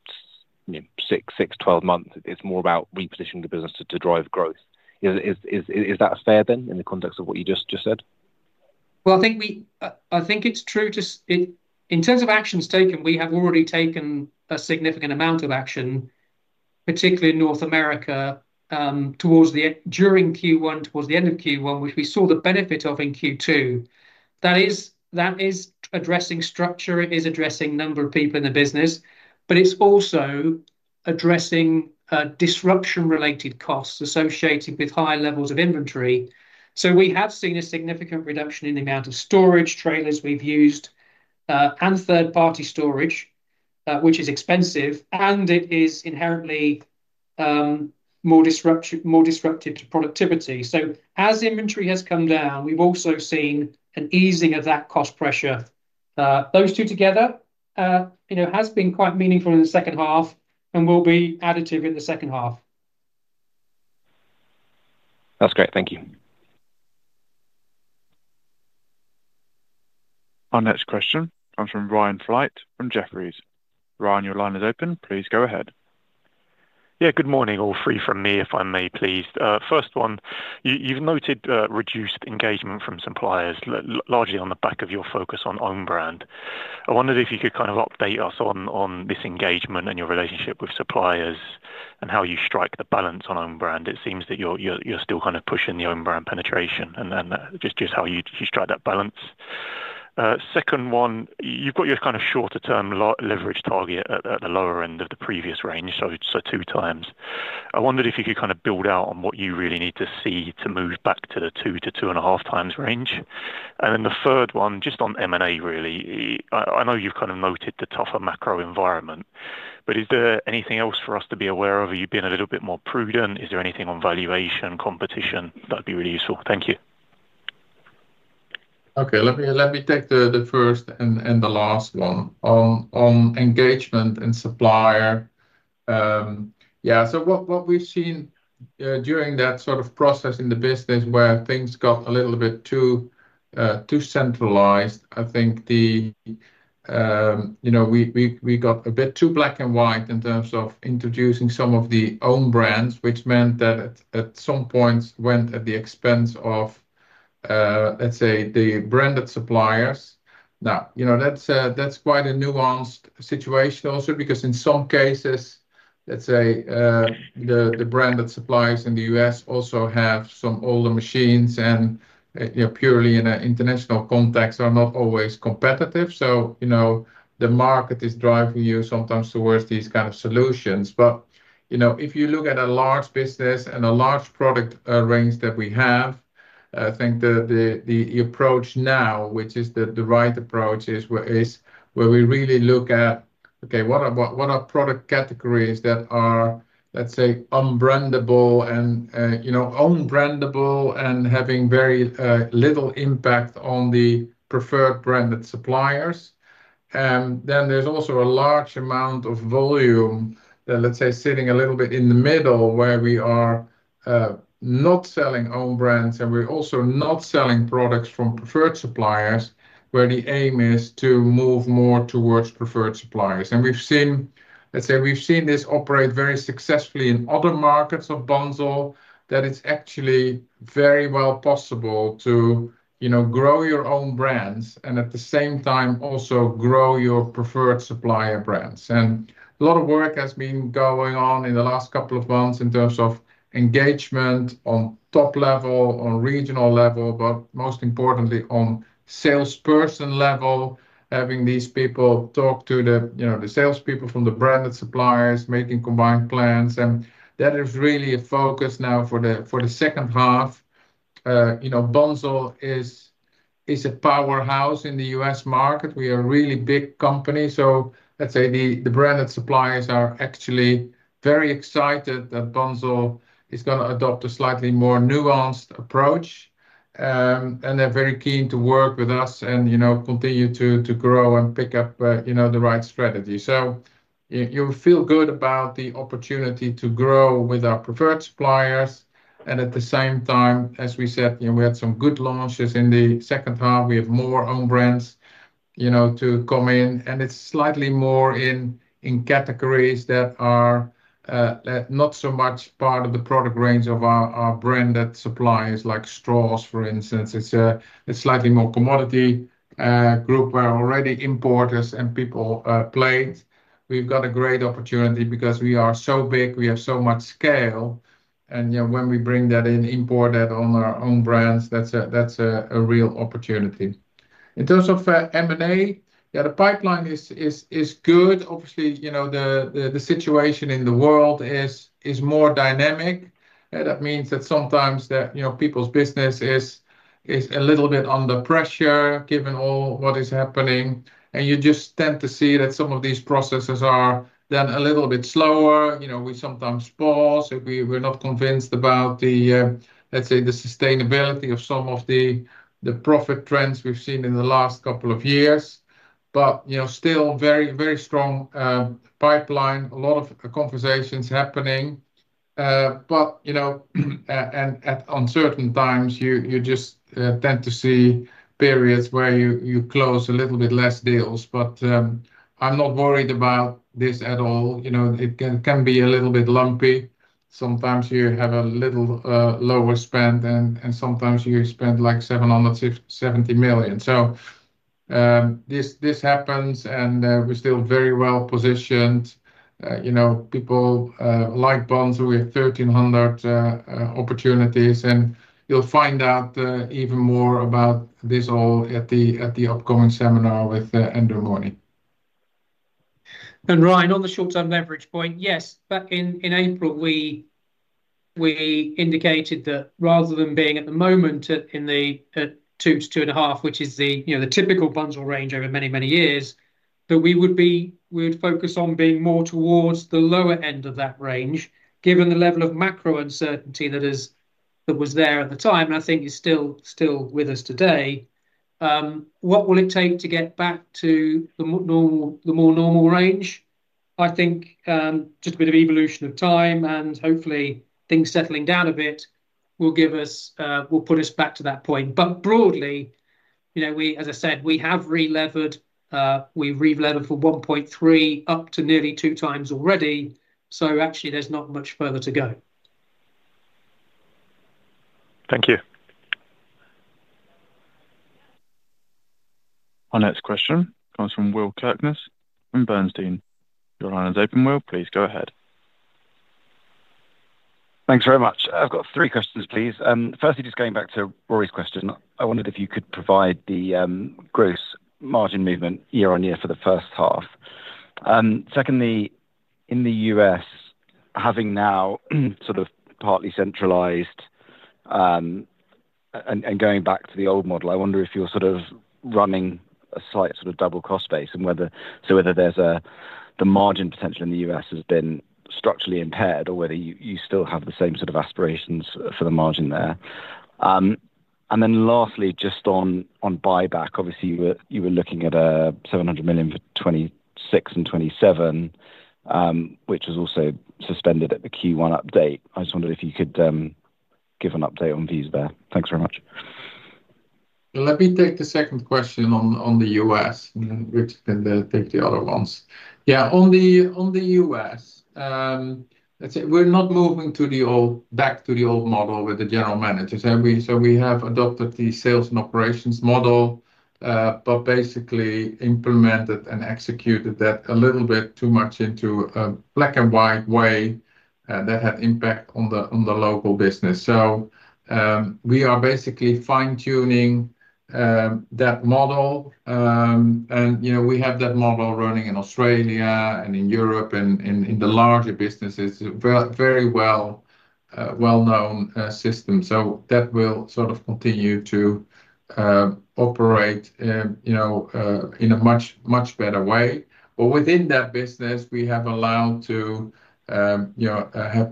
6-12 months. It's more about repositioning the business to drive growth. Is that fair in the context of what you just said? I think it's true in terms of actions taken. We have already taken a significant amount of action, particularly in North America, during Q1, towards the end of Q1, which we saw the benefit of in Q2. That is addressing structure, it is addressing number of people in the business, but it's also addressing disruption related costs associated with high levels of inventory. We have seen a significant reduction in the amount of storage trailers we've used and third party storage, which is expensive and it is inherently more disruptive, more disruptive to productivity. As inventory has come down, we've also seen an easing of that cost pressure. Those two together, you know, has been quite meaningful in the second half and will be additive in the second half. That's great. Thank you. Our next question comes from Ryan Flight from Jefferies. Ryan, your line is open. Please go ahead. Good morning. All three from me, if I may, please. First one, you've noted reduced engagement from suppliers largely on the back of your focus on own brand. I wondered if you could update us on this engagement, engagement and your relationship with suppliers and how you strike the balance on own brand. It seems that you're still pushing the own brand penetration and just how you strike that balance. Second one, you've got your shorter term leverage target at the lower end of the previous range, so 2x. I wondered if you could build out on what you really need to see to move back to the 2x-2.5x range. The third one, just on M&A really. I know you've noted the tougher macro environment, but is there anything else for us to be aware of? Are you being a little bit more prudent? Is there anything on valuation competition that'd be really useful? Thank you. Let me take the first and the last one on engagement and supplier. What we've seen during that process in the business where things got a little bit too centralized, I think we got a bit too black and white in terms of introducing some of the own brands, which meant that at some points went at the expense of, let's say, the branded suppliers. Now, that's quite a nuanced situation also because in some cases, let's say the branded suppliers in the U.S. also have some older machines and purely in an international context are not always competitive. The market is driving you sometimes towards these kind of solutions. If you look at a large business and a large product range that we have, I think the approach now, which is the right approach, is where we really look at what are product categories that are, let's say, unbrandable and, you know, unbrandable and having very little impact on the preferred branded suppliers. Then there's also a large amount of volume, let's say, sitting a little bit in the middle, where we are not selling own brands and we're also not selling products from preferred suppliers, where the aim is to move more towards preferred suppliers. We've seen this operate very successfully in other markets of Bunzl, that it's actually very well possible to grow your own brands and at the same time also grow your preferred supplier brands. A lot of work has been going on in the last couple of months in terms of engagement on top level, on regional level, but most importantly on salesperson level, having these people talk to the salespeople from the branded suppliers making combined plans. That is really a focus now for the second half. Bunzl is a powerhouse in the U.S. market. We are a really big company. The branded suppliers are actually very excited that Bunzl is going to adopt a slightly more nuanced approach and they're very keen to work with us and, you know, continue to grow and pick up, you know, the right strategy. You feel good about the opportunity to grow with our preferred suppliers. At the same time, as we said, we had some good launches in the second half, we have more own brands to come in and it's slightly more in categories that are not so much part of the product range of our branded suppliers like straws, for instance. It's slightly more commodity group where already importers and people play it. We've got a great opportunity because we are so big, we have so much scale and when we bring that in, import that on our own brands, that's a real opportunity. In terms of M&A, the pipeline is good. Obviously the situation in the world is more dynamic. That means that sometimes people's business is a little bit under pressure given all what is happening. You tend to see that some of these processes are then a little bit slower. We sometimes pause if we were not convinced about the, let's say, the sustainability of some of the profit trends we've seen in the last couple of years. Still very, very strong pipeline. A lot of conversations happening, and at uncertain times you just tend to see periods where you close a little bit less deals. I'm not worried about this at all. It can be a little bit lumpy. Sometimes you have a little lower spend and sometimes you spend like 770 million so this happens and we're still very well positioned. People like bonds with 1,300 opportunities. You'll find out even more about this all at the upcoming seminar with end of morning. Ryan, on the short term leverage point, yes. In April, we indicated that rather than being at the moment in the two to two and a half, which is the typical Bunzl range over many, many years, we would focus on being more towards the lower end of that range, given the level of macro uncertainty that was there at the time and I think is still with us today. What will it take to get back to the more normal range? I think just a bit of evolution of time and hopefully things settling down a bit will put us back to that point. Broadly, as I said, we have re-levered, we re-levered from 1.3x up to nearly 2x already, so actually there's not much further to go. Thank you. Our next question comes from Will Kirkness from Bernstein. Your line is open. Will, please go ahead. Thanks very much. I've got three questions please. Firstly, just going back to Rory's question, I wondered if you could provide the gross margin movement year on year for the first half. Secondly, in the U.S., having now sort of partly centralized and going back to the old model, I wonder if you're sort of running a site sort of double cost base and whether the margin potential in the U.S. has been structurally impaired or whether you still have the same sort of aspirations for the margin there. Lastly, just on buyback, obviously you were looking at 700 million for 2026 and 2027, which was also suspended at the Q1 update. I just wondered if you could give an update on [Nisbets]. Thanks very much. Let me take the second question on the U.S., and Richard, take the other ones. Yeah, on the U.S. We're not moving. Back to the old model with the general managers. We have adopted the sales and operations model but basically implemented and executed that a little bit too much in a black and white way that had impact on the local business. We are fine tuning that model and we have that model running in Australia and in Europe and in the larger businesses, very well known system. That will continue to operate in a much, much better way. Within that business we have allowed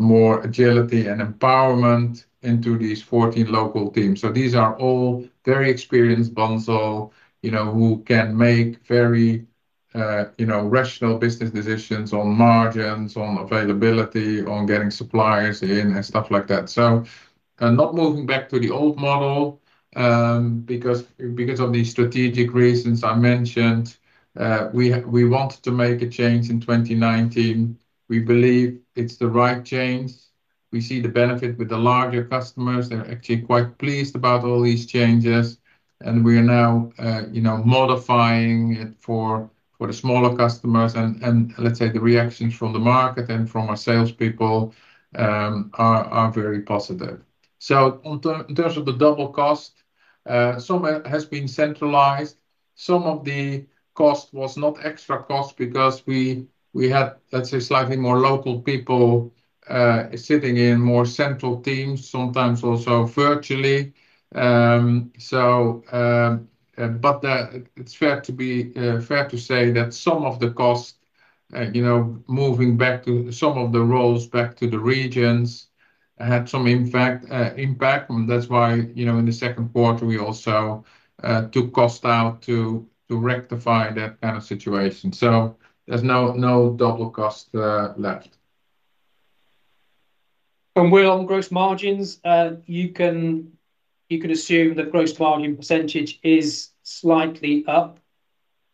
more agility and empowerment into these 14 local teams. These are all very experienced Bunzl people who can make very rational business decisions on margins, on availability, on getting suppliers in and stuff like that. We are not moving back to the old model because of the strategic reasons I mentioned. We wanted to make a change in 2019. We believe it's the right change. We see the benefit with the larger customers. They're actually quite pleased about all these changes. We are now modifying it for the smaller customers. The reactions from the market and from our salespeople are very positive. In terms of the double cost, some has been centralized, some of the cost was not extra cost because we had slightly more local people sitting in more central teams, sometimes also virtually. It is fair to say that some of the costs moving back to some of the roles, back to the regions had some impact. That's why in the second quarter we also took cost out to rectify that kind of situation. There is no double cost left. On gross margins, you can assume that gross margin percentage is slightly up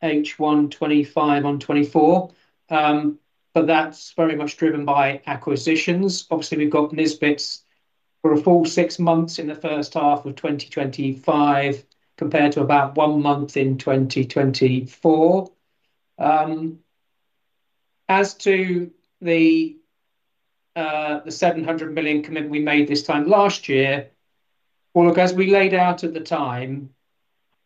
H1 2025 on 2024, but that's very much driven by acquisitions. Obviously, we've got Nisbets for a full six months in the first half of 2025 compared to about one month in 2024. As to the 700 million commitment we made this time last year, as we laid out at the time,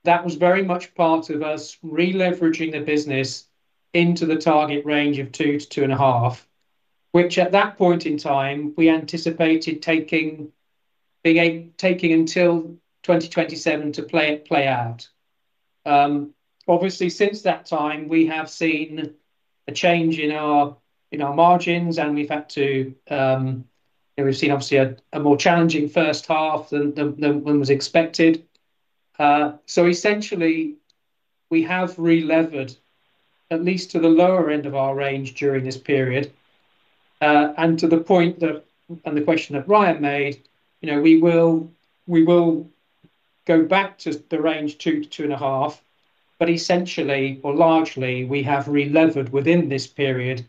that was very much part of us releveraging the business into the target range of 2x-2.5x, which at that point in time we anticipated taking until 2027 to play out. Since that time, we have seen a change in our margins and we've had to. We've seen a more challenging first half than was expected. Essentially, we have relevered at least to the lower end of our range during this period. To the point and the question that Ryan made, we will go back to the range 2x-2.5x. Essentially or largely, we have relevered within this period,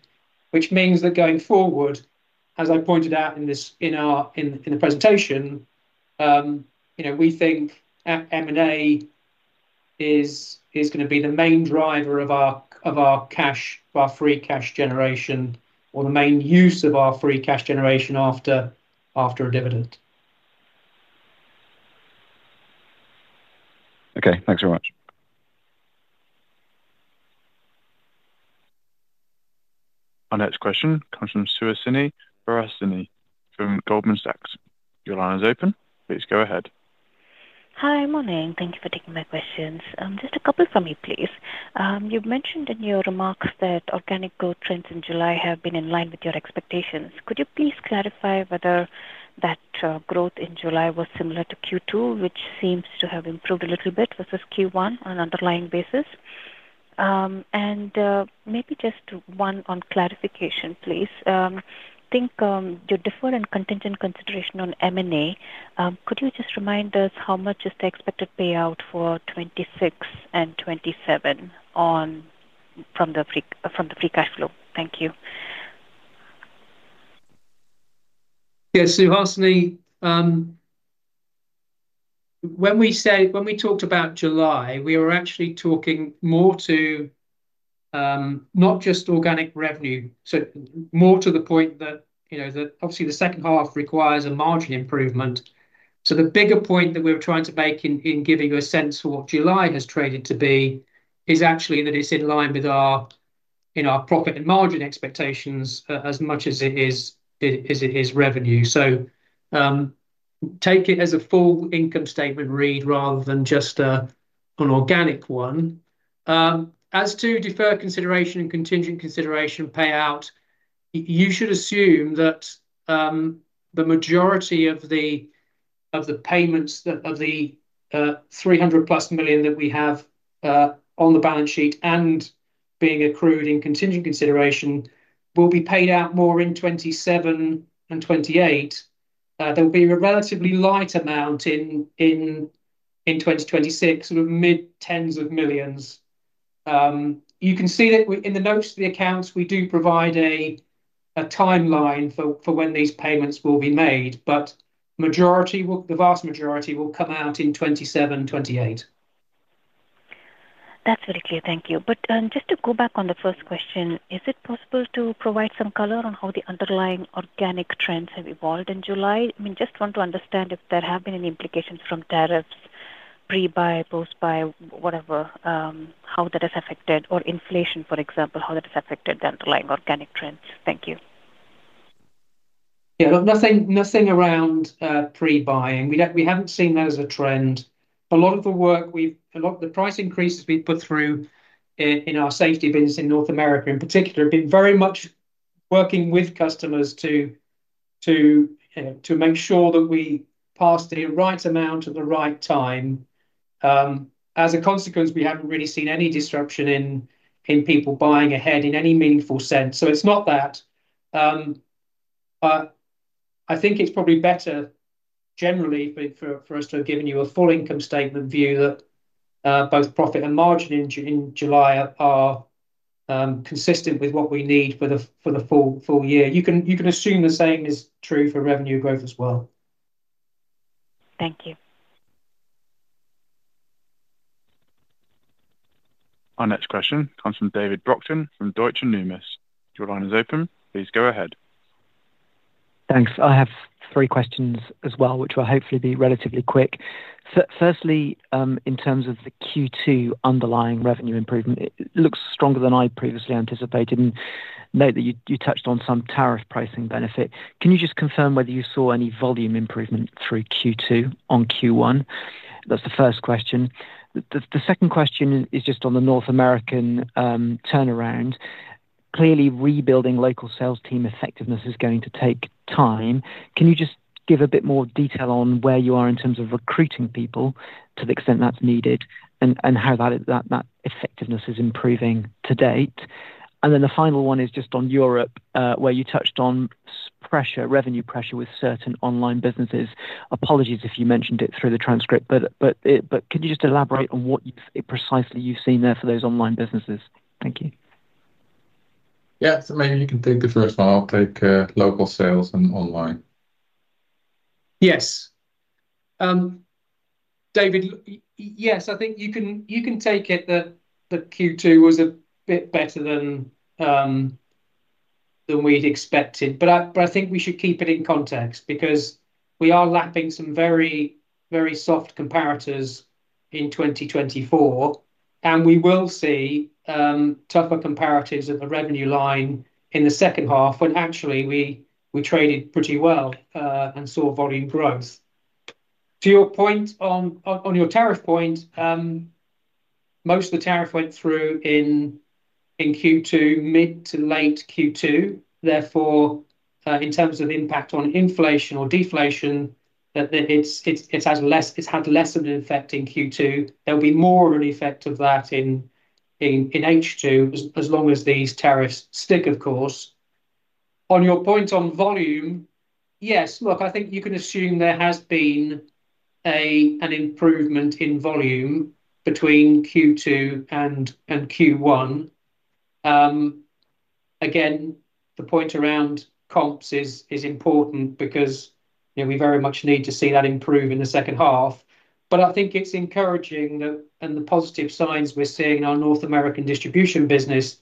which means that going forward, as I pointed out in the presentation, we think M&A is going to be the main driver of our free cash generation or the main use of our free cash generation after a dividend. Okay, thanks very much. Our next question comes from Suhasini Varanasi from Goldman Sachs. Your line is open. Please go ahead. Hi. Morning. Thank you for taking my questions. Just a couple from me, please. You've mentioned in your remarks that organic growth trends in July have been in line with your expectations. Could you please clarify whether that growth in July was similar to Q2, which seems to have improved a little bit versus Q1 on an underlying basis, and maybe just one on clarification. Please, can you defer any contingent consideration on M&A? Could you just remind us how much is the expected payout for 2026 and 2027 from the free cash flow? Thank you. Yes, Suhasini, when we say when we talked about July, we were actually talking more to not just organic revenue. More to the point that you know that obviously the second half requires a margin improvement. The bigger point that we're trying to make in giving you a sense for what July has traded to be is actually that it's in line with our profit and margin expectations as much as it is revenue. Take it as a full income statement read rather than just an organic one. As to deferred consideration and contingent consideration payout, you should assume that the majority of the payments of the 300+ million that we have on the balance sheet and being accrued in contingent consideration will be paid out more in 2027 and 2028. There will be a relatively light amount in 2026, sort of mid tens of millions. You can see that in the notes to the accounts. We do provide a timeline for when these payments will be made, but the vast majority will come out in 2027, 2028. That's very clear. Thank you. Just to go back on the first question, is it possible to provide some color on how the underlying organic trends have evolved in July? I mean, just want to understand if there have been any implications from tariffs, pre buy, post buy, whatever, how that has affected or inflation, for example, how that has affected the underlying organic trends. Thank you. Yeah, look, nothing around pre buying. We haven't seen that as a trend. A lot of the work we've, a lot of the price increases we've put through in our safety business in North America in particular, have been very much working with customers to make sure that we pass the right amount at the right time. As a consequence, we haven't really seen any disruption in people buying ahead in any meaningful sense. It is not that. I think it's probably better generally for us to have given you a full income statement view that both profit and margin in July are consistent with what we need for the full year. You can assume the same is true for revenue growth as well. Thank you. Our next question comes from David Brockton from Deutsche Numis. Your line is open. Please go ahead. Thanks. I have three questions as well which will hopefully be relatively quick. Firstly, in terms of the Q2 underlying revenue improvement, it looks stronger than I previously anticipated. I note that you touched on some tariff pricing benefit. Can you just confirm whether you saw any volume improvement through Q2 on Q1? That's the first question. The second question is just on the North American turnaround. Clearly, rebuilding local sales team effectiveness is going to take time. Can you just give a bit more detail on where you are in terms of recruiting people to the extent that's needed and how that effectiveness is improving to date? The final one is just on Europe where you touched on revenue pressure with certain online businesses. Apologies if you mentioned it through the transcript, but could you just elaborate on what precisely you've seen there for those online businesses? Thank you. Yes, maybe you can take the first one. I'll take local sales and online. Yes, David, I think you can. You can take it that Q2 was a bit better than we'd expected. I think we should keep it in context because we are lapping some very, very soft comparators in 2024, and we will see tougher comparatives on the revenue line in the second half when we actually traded pretty well and saw volume growth. To your point, on your tariff point, most of the tariff went through in Q2, mid to late Q2. Therefore, in terms of impact on inflation or deflation, it's had less of an effect in Q2. There'll be more of an effect of that in H2 as long as these tariffs stick. Of course, on your point on volume, I think you can assume there has been an improvement in volume between Q2 and Q1. Again, the point around comps is important because we very much need to see that improve in the second half. I think it's encouraging, and the positive signs we're seeing in our North America distribution business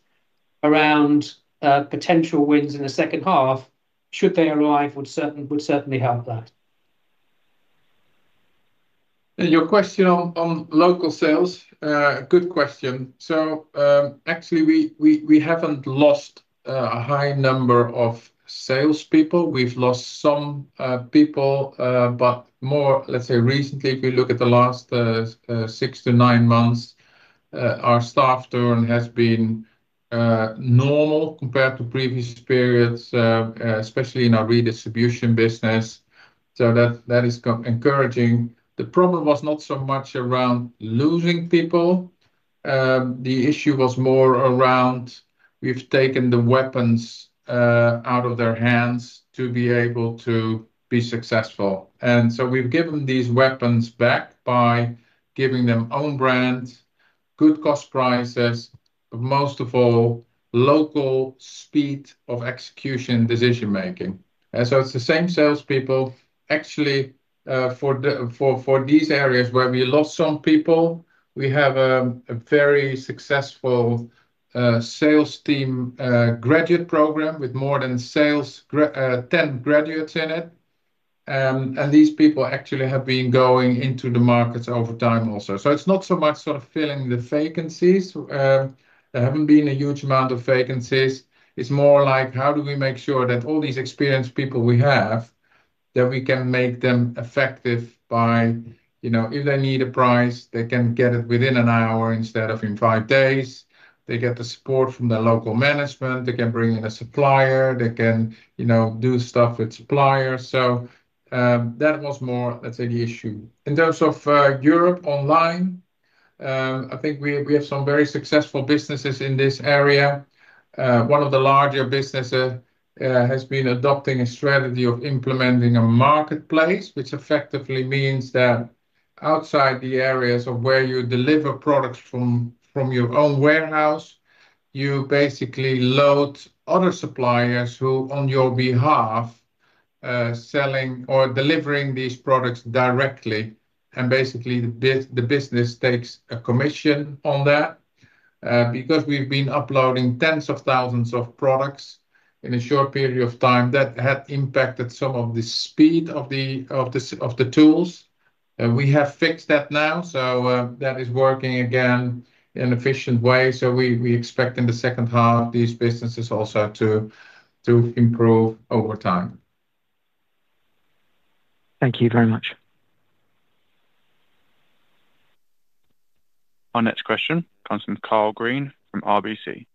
around potential wins in the second half, should they arrive, would certainly help that. Your question on local sales. Good question. Actually, we haven't lost a high number of salespeople. We've lost some people, but more, let's say recently, if you look at the last six to nine months, our staff turn has been normal compared to previous periods, especially in our redistribution business. That is encouraging. The problem was not so much around losing people. The issue was more around we've taken the weapons out of their hands to be able to be successful. We've given these weapons back by giving them own brand good cost prices, most of all local speed of execution, decision making. It's the same salespeople actually for these areas where we lost some people. We have a very successful sales team graduate program with more than 10 graduates in it. These people actually have been going into the markets over time also. It's not so much sort of filling the vacancies. There haven't been a huge amount of vacancies. It's more like how do we make sure that all these experienced people we have, that we can make them effective by, you know, if they need a price, they can get it within an hour instead of in five days. They get the support from the local management. They can bring in a supplier, they can, you know, do stuff with suppliers. That was more, let's say, the. Issue in terms of Europe online. I think we have some very successful businesses in this area. One of the larger businesses has been adopting a strategy of implementing a marketplace, which effectively means that outside the areas where you deliver products from your own warehouse, you basically load other suppliers who, on your behalf, are selling or delivering these products directly. Basically, the business takes a commission on that. Because we've been uploading tens of thousands of products in a short period of time, that had impacted some of the speed of the tools. We have fixed that now, so that is working again in an efficient way. We expect in the second half these businesses also to improve over time. Thank you very much. Our next question comes from Karl Green from RBC.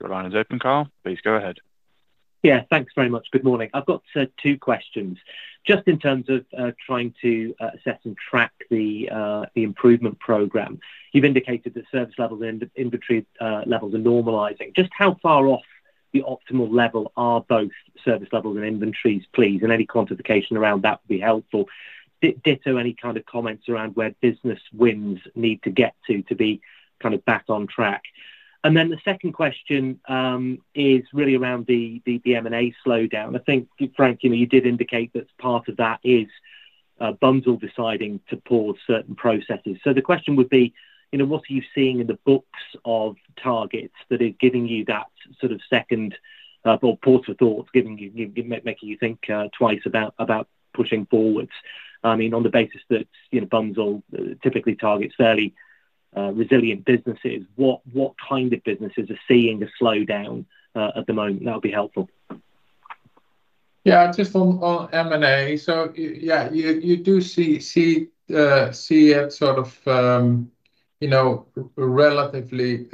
Your line is open, Karl, please go ahead. Yeah, thanks very much. Good morning. I've got two questions just in terms of trying to assess and track the improvement program. You've indicated that service levels and inventory levels are normalizing. Just how far off the optimal level are both service levels and inventories, please? Any quantification around that would be helpful. Ditto any kind of comments around where business wins need to get to, to be kind of back on track. The second question is really around the M&A slowdown. I think, Frank, you did indicate that part of that is Bunzl deciding to pause certain processes. The question would be, you know. What are you seeing in the books? there targets that are giving you that sort of second or pause for thought, making you think twice about pushing forwards? I mean, on the basis that, you know, Bunzl typically targets fairly resilient businesses, what kind of businesses are seeing a slowdown at the moment? That'll be helpful. Yeah, just on M&A. You do see it sort of, you know, relatively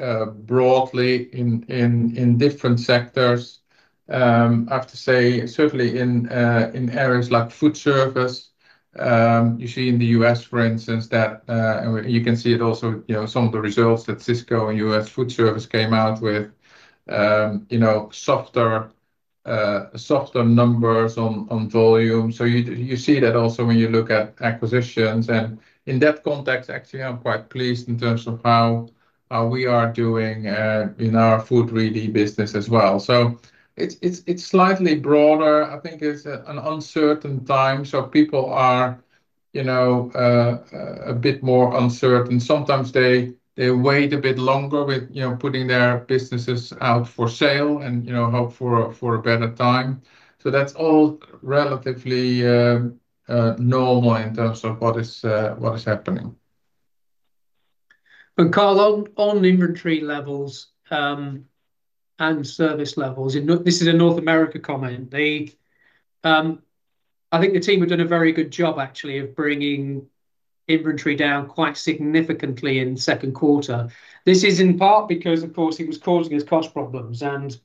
broadly in different sectors, I have to say. Certainly in areas like food service, you see in the U.S. for instance, that you can see it also, you know, some of the results that Sysco and US Food Service came out with, you know, softer numbers on volume. You see that also when you look at acquisitions and in that context, actually I'm quite pleased in terms of how we are doing in our food redistribution business as well. It's slightly broader. I think it's an uncertain time. People are a bit more uncertain; sometimes they wait a bit longer with putting their businesses out for sale and hope for a better time. That's all relatively normal in terms of what is happening. Karl, on inventory levels and service levels, this is a North America comment. I think the team had done a very good job actually of bringing inventory down quite significantly in the second quarter. This is in part because it was causing us cost problems and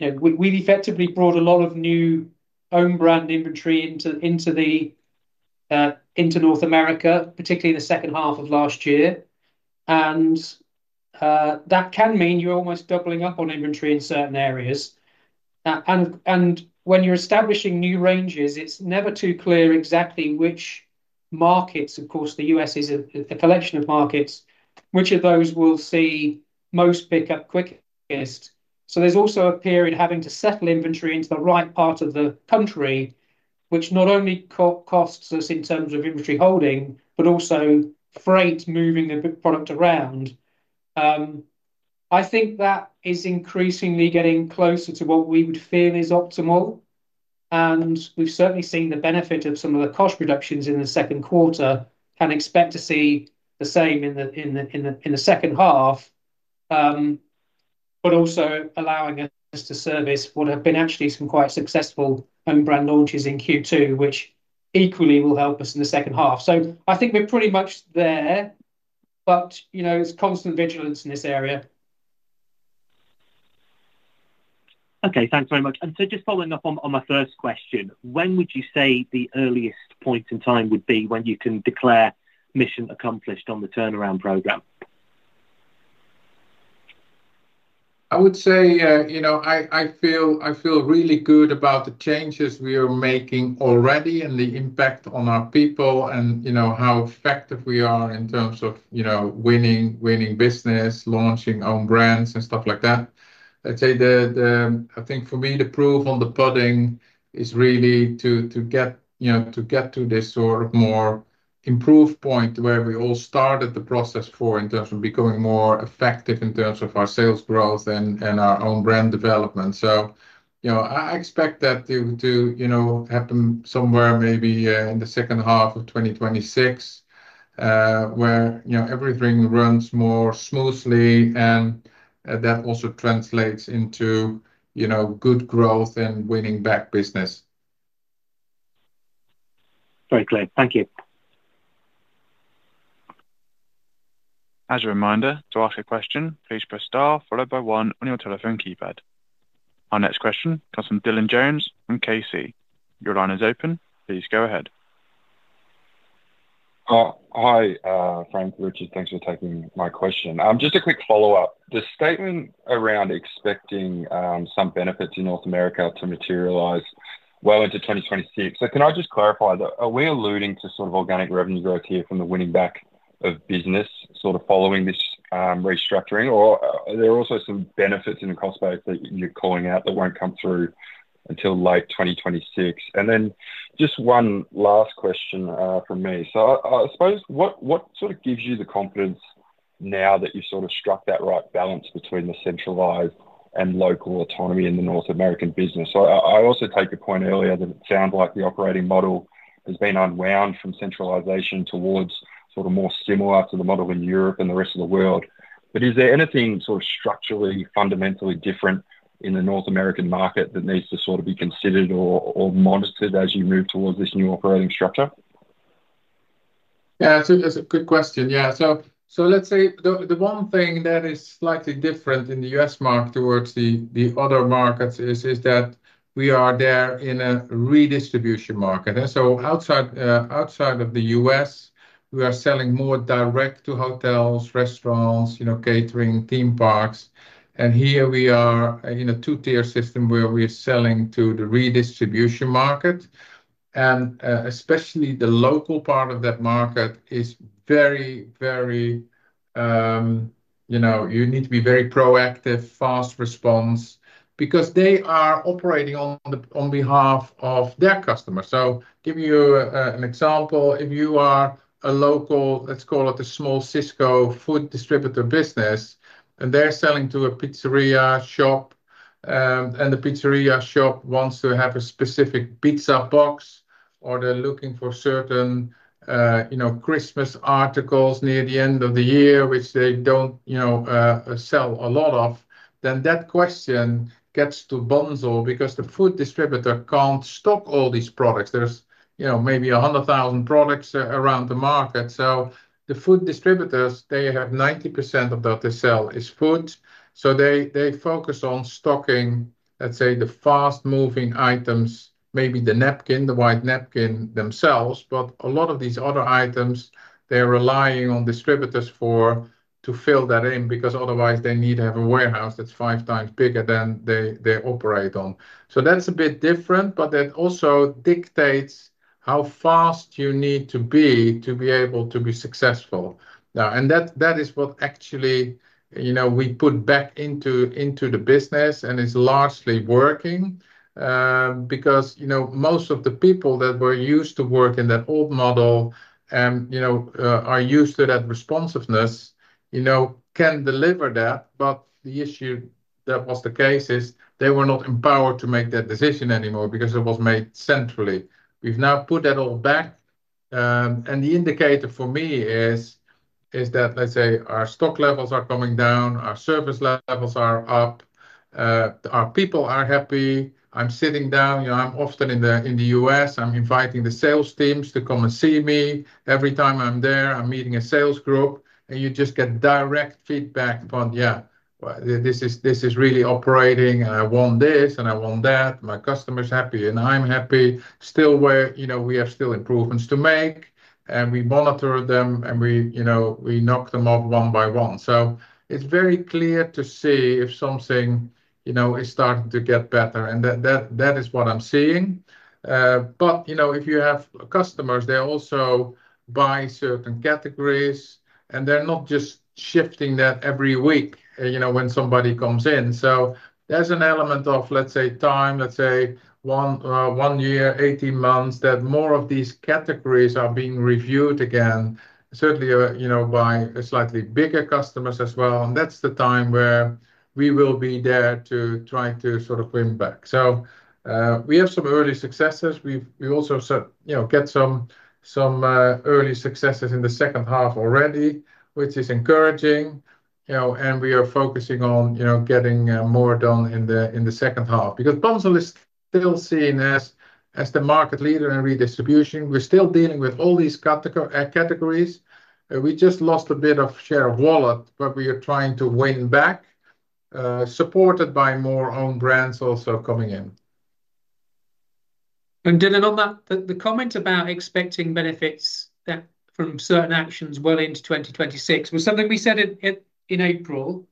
we've effectively brought a lot of new own brand inventory into North America, particularly the second half of last year. That can mean you're almost doubling up on inventory in certain areas. When you're establishing new ranges, it's never too clear exactly which markets. Of course, the U.S. is a collection of markets. Which of those will see most pickup quick. There's also a period having to settle inventory into the right part of the country, which not only costs us in terms of inventory holding, but also freight moving the product around. I think that is increasingly getting closer to what we would feel is optimal. We've certainly seen the benefit of some of the cost reductions in the second quarter and expect to see the same in the second half. Also allowing us to service what have been actually some quite successful brand launches in Q2, which equally will help us in the second half. I think we're pretty much there. There's constant vigilance in this area. Okay, thanks very much. Just following up on my first question, when would you say the earliest point in time would be when you can declare mission accomplished on the turnaround program? I feel really good about the changes we are making already and the impact on our people and how effective we are in terms of winning business, launching own brands and stuff like that. I'd say the proof on the pudding is really to get to this sort of more improved point where we all started the process for in terms of becoming more effective in terms of our sales growth and our own brand development. I expect that to happen somewhere maybe in the second half of 2026 where everything runs more smoothly and that also translates into good growth and winning back business. Very clear, thank you. As a reminder, to ask a question, please press star followed by one on your telephone keypad. Our next question comes from Dylan Jones and KC. Your line is open. Please go ahead. Hi, Frank. Richard, thanks for taking my question. Just a quick follow up on the statement around expecting some benefits in North America to materialize well into 2026. Can I just clarify, are we alluding to organic revenue growth here from the winning back of business following this restructuring, or are there also some benefits in the cost base that you're calling out that won't come through until late 2026? One last question from me. I suppose what gives you the confidence now that you struck that right balance between the centralized and local autonomy in the North American business? I also take the point earlier that it sounds like the operating model has been unwound from centralization towards something more similar to the model in Europe and the rest of the world. Is there anything structurally or fundamentally different in the North American market that needs to be considered or monitored as you move towards this new operating structure? Yeah, that's a good question. The one thing that is slightly different in the U.S. market compared to the other markets is that we are there in a redistribution market. Outside of the U.S., we are selling more direct to hotels, restaurants, catering, theme parks. Here we are in a two-tier system where we are selling to the redistribution market. Especially the local part of that market is very, very, you know, you need to be very proactive. Fast response, because they are operating on behalf of their customers. For example, if you are a local, let's call it a small Sysco food distributor business and they're selling to a pizzeria shop and the pizzeria shop wants to have a specific pizza box or they're looking for certain, you know, Christmas articles near the end of the year which they don't, you know, sell a lot of, then that question gets to Bunzl because the food distributor can't stock all these products. There's, you know, maybe 100,000 products around the market. The food distributors, they have 90% of what they sell as food, so they focus on stocking, let's say. The fast-moving items, maybe the napkin. The white napkin themselves, but a lot of these other items they're relying on distributors for to fill that in because otherwise they need to have a warehouse that's five times bigger than they operate on. That's a bit different. That also dictates how fast you need to be to be able to be successful. That is what actually, you know, we put back into the business and it's largely working because, you know, most of the people that used to work in that old model and, you know, are used to that responsiveness, you know, can deliver that. The issue that was the case is they were not empowered to make that decision anymore because it was made centrally. We've now put that all back, and the indicator for me is that, let's say, our stock levels are coming down, our service levels are up, our people are happy. I'm sitting down, I'm often in the U.S., I'm inviting the sales teams to come and see me. Every time I'm there, I'm meeting a sales group, and you just get direct feedback on, yeah, this is really operating and I want this and I want that. My customer's happy and I'm happy. I still, where, you know, we have still improvements to make and we monitor them and we, you know, we knock them off one by one. It's very clear to see if something, you know, is starting to get better and that is what I'm seeing. If you have customers, they also buy certain categories and they're not just shifting that every week, you know, when somebody comes in. There's an element of, let's say, time, let's say one year, 18 months, that more of these categories are being reviewed again, certainly by slightly bigger customers as well. That's the time where we will be there to try to sort of win back. We have some early successes. We also get some early successes in the second half already, which is encouraging, and we are focusing on getting more done in the second half because Bunzl is still seen as the market leader in redistribution. We're still dealing with all these categories. We just lost a bit of share of wallet, but we are trying to win back supported by more own brands also coming in. Dylan, on that, the comment about expecting benefits from certain actions well into 2026 was something we said in April.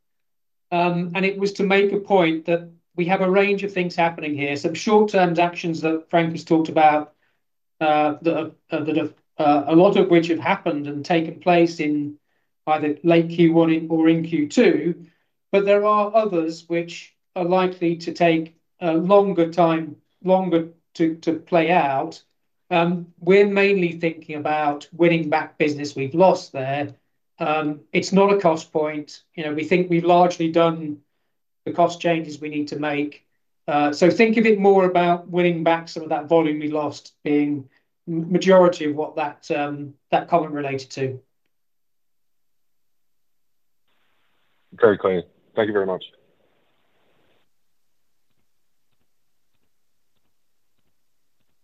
It was to make a point that we have a range of things happening here, some short-term actions that Frank van Zanten has talked about, a lot of which have happened and taken place in either late Q1 or in Q2. There are others which are likely to take longer to play out. We're mainly thinking about winning back business we've lost there. It's not a cost point. We think we've largely done the cost changes we need to make. Think of it more about winning back some of that volume we lost, being the majority of what that comment related to. Very clean. Thank you very much.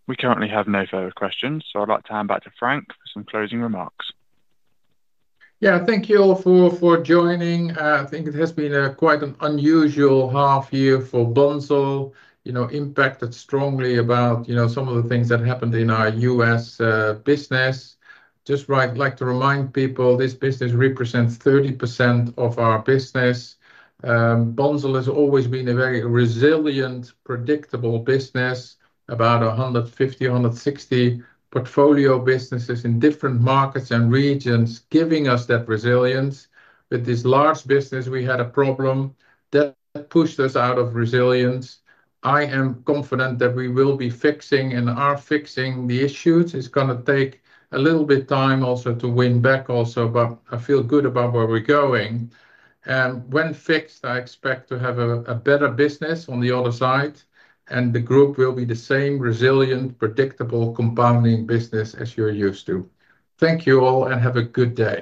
We currently have no further questions. I'd like to hand back to. Frank, some closing remarks. Thank you all for joining. I think it has been quite an unusual half year for Bunzl. Impacted strongly by some of the things that happened in our U.S. business. I'd like to remind people this business represents 30% of our business. Bunzl has always been a very resilient, predictable business. About 150, 160 portfolio businesses in different markets and regions giving us that resilience. With this large business, we had a problem that pushed us out of resilience. I am confident that we will be fixing and are fixing the issues. It's going to take a little bit of time also to win back also. I feel good about where we're going and when fixed, I expect to have a better business on the other side and the group will be the same resilient, predictable, compounding business as you're used to. Thank you all and have a good day.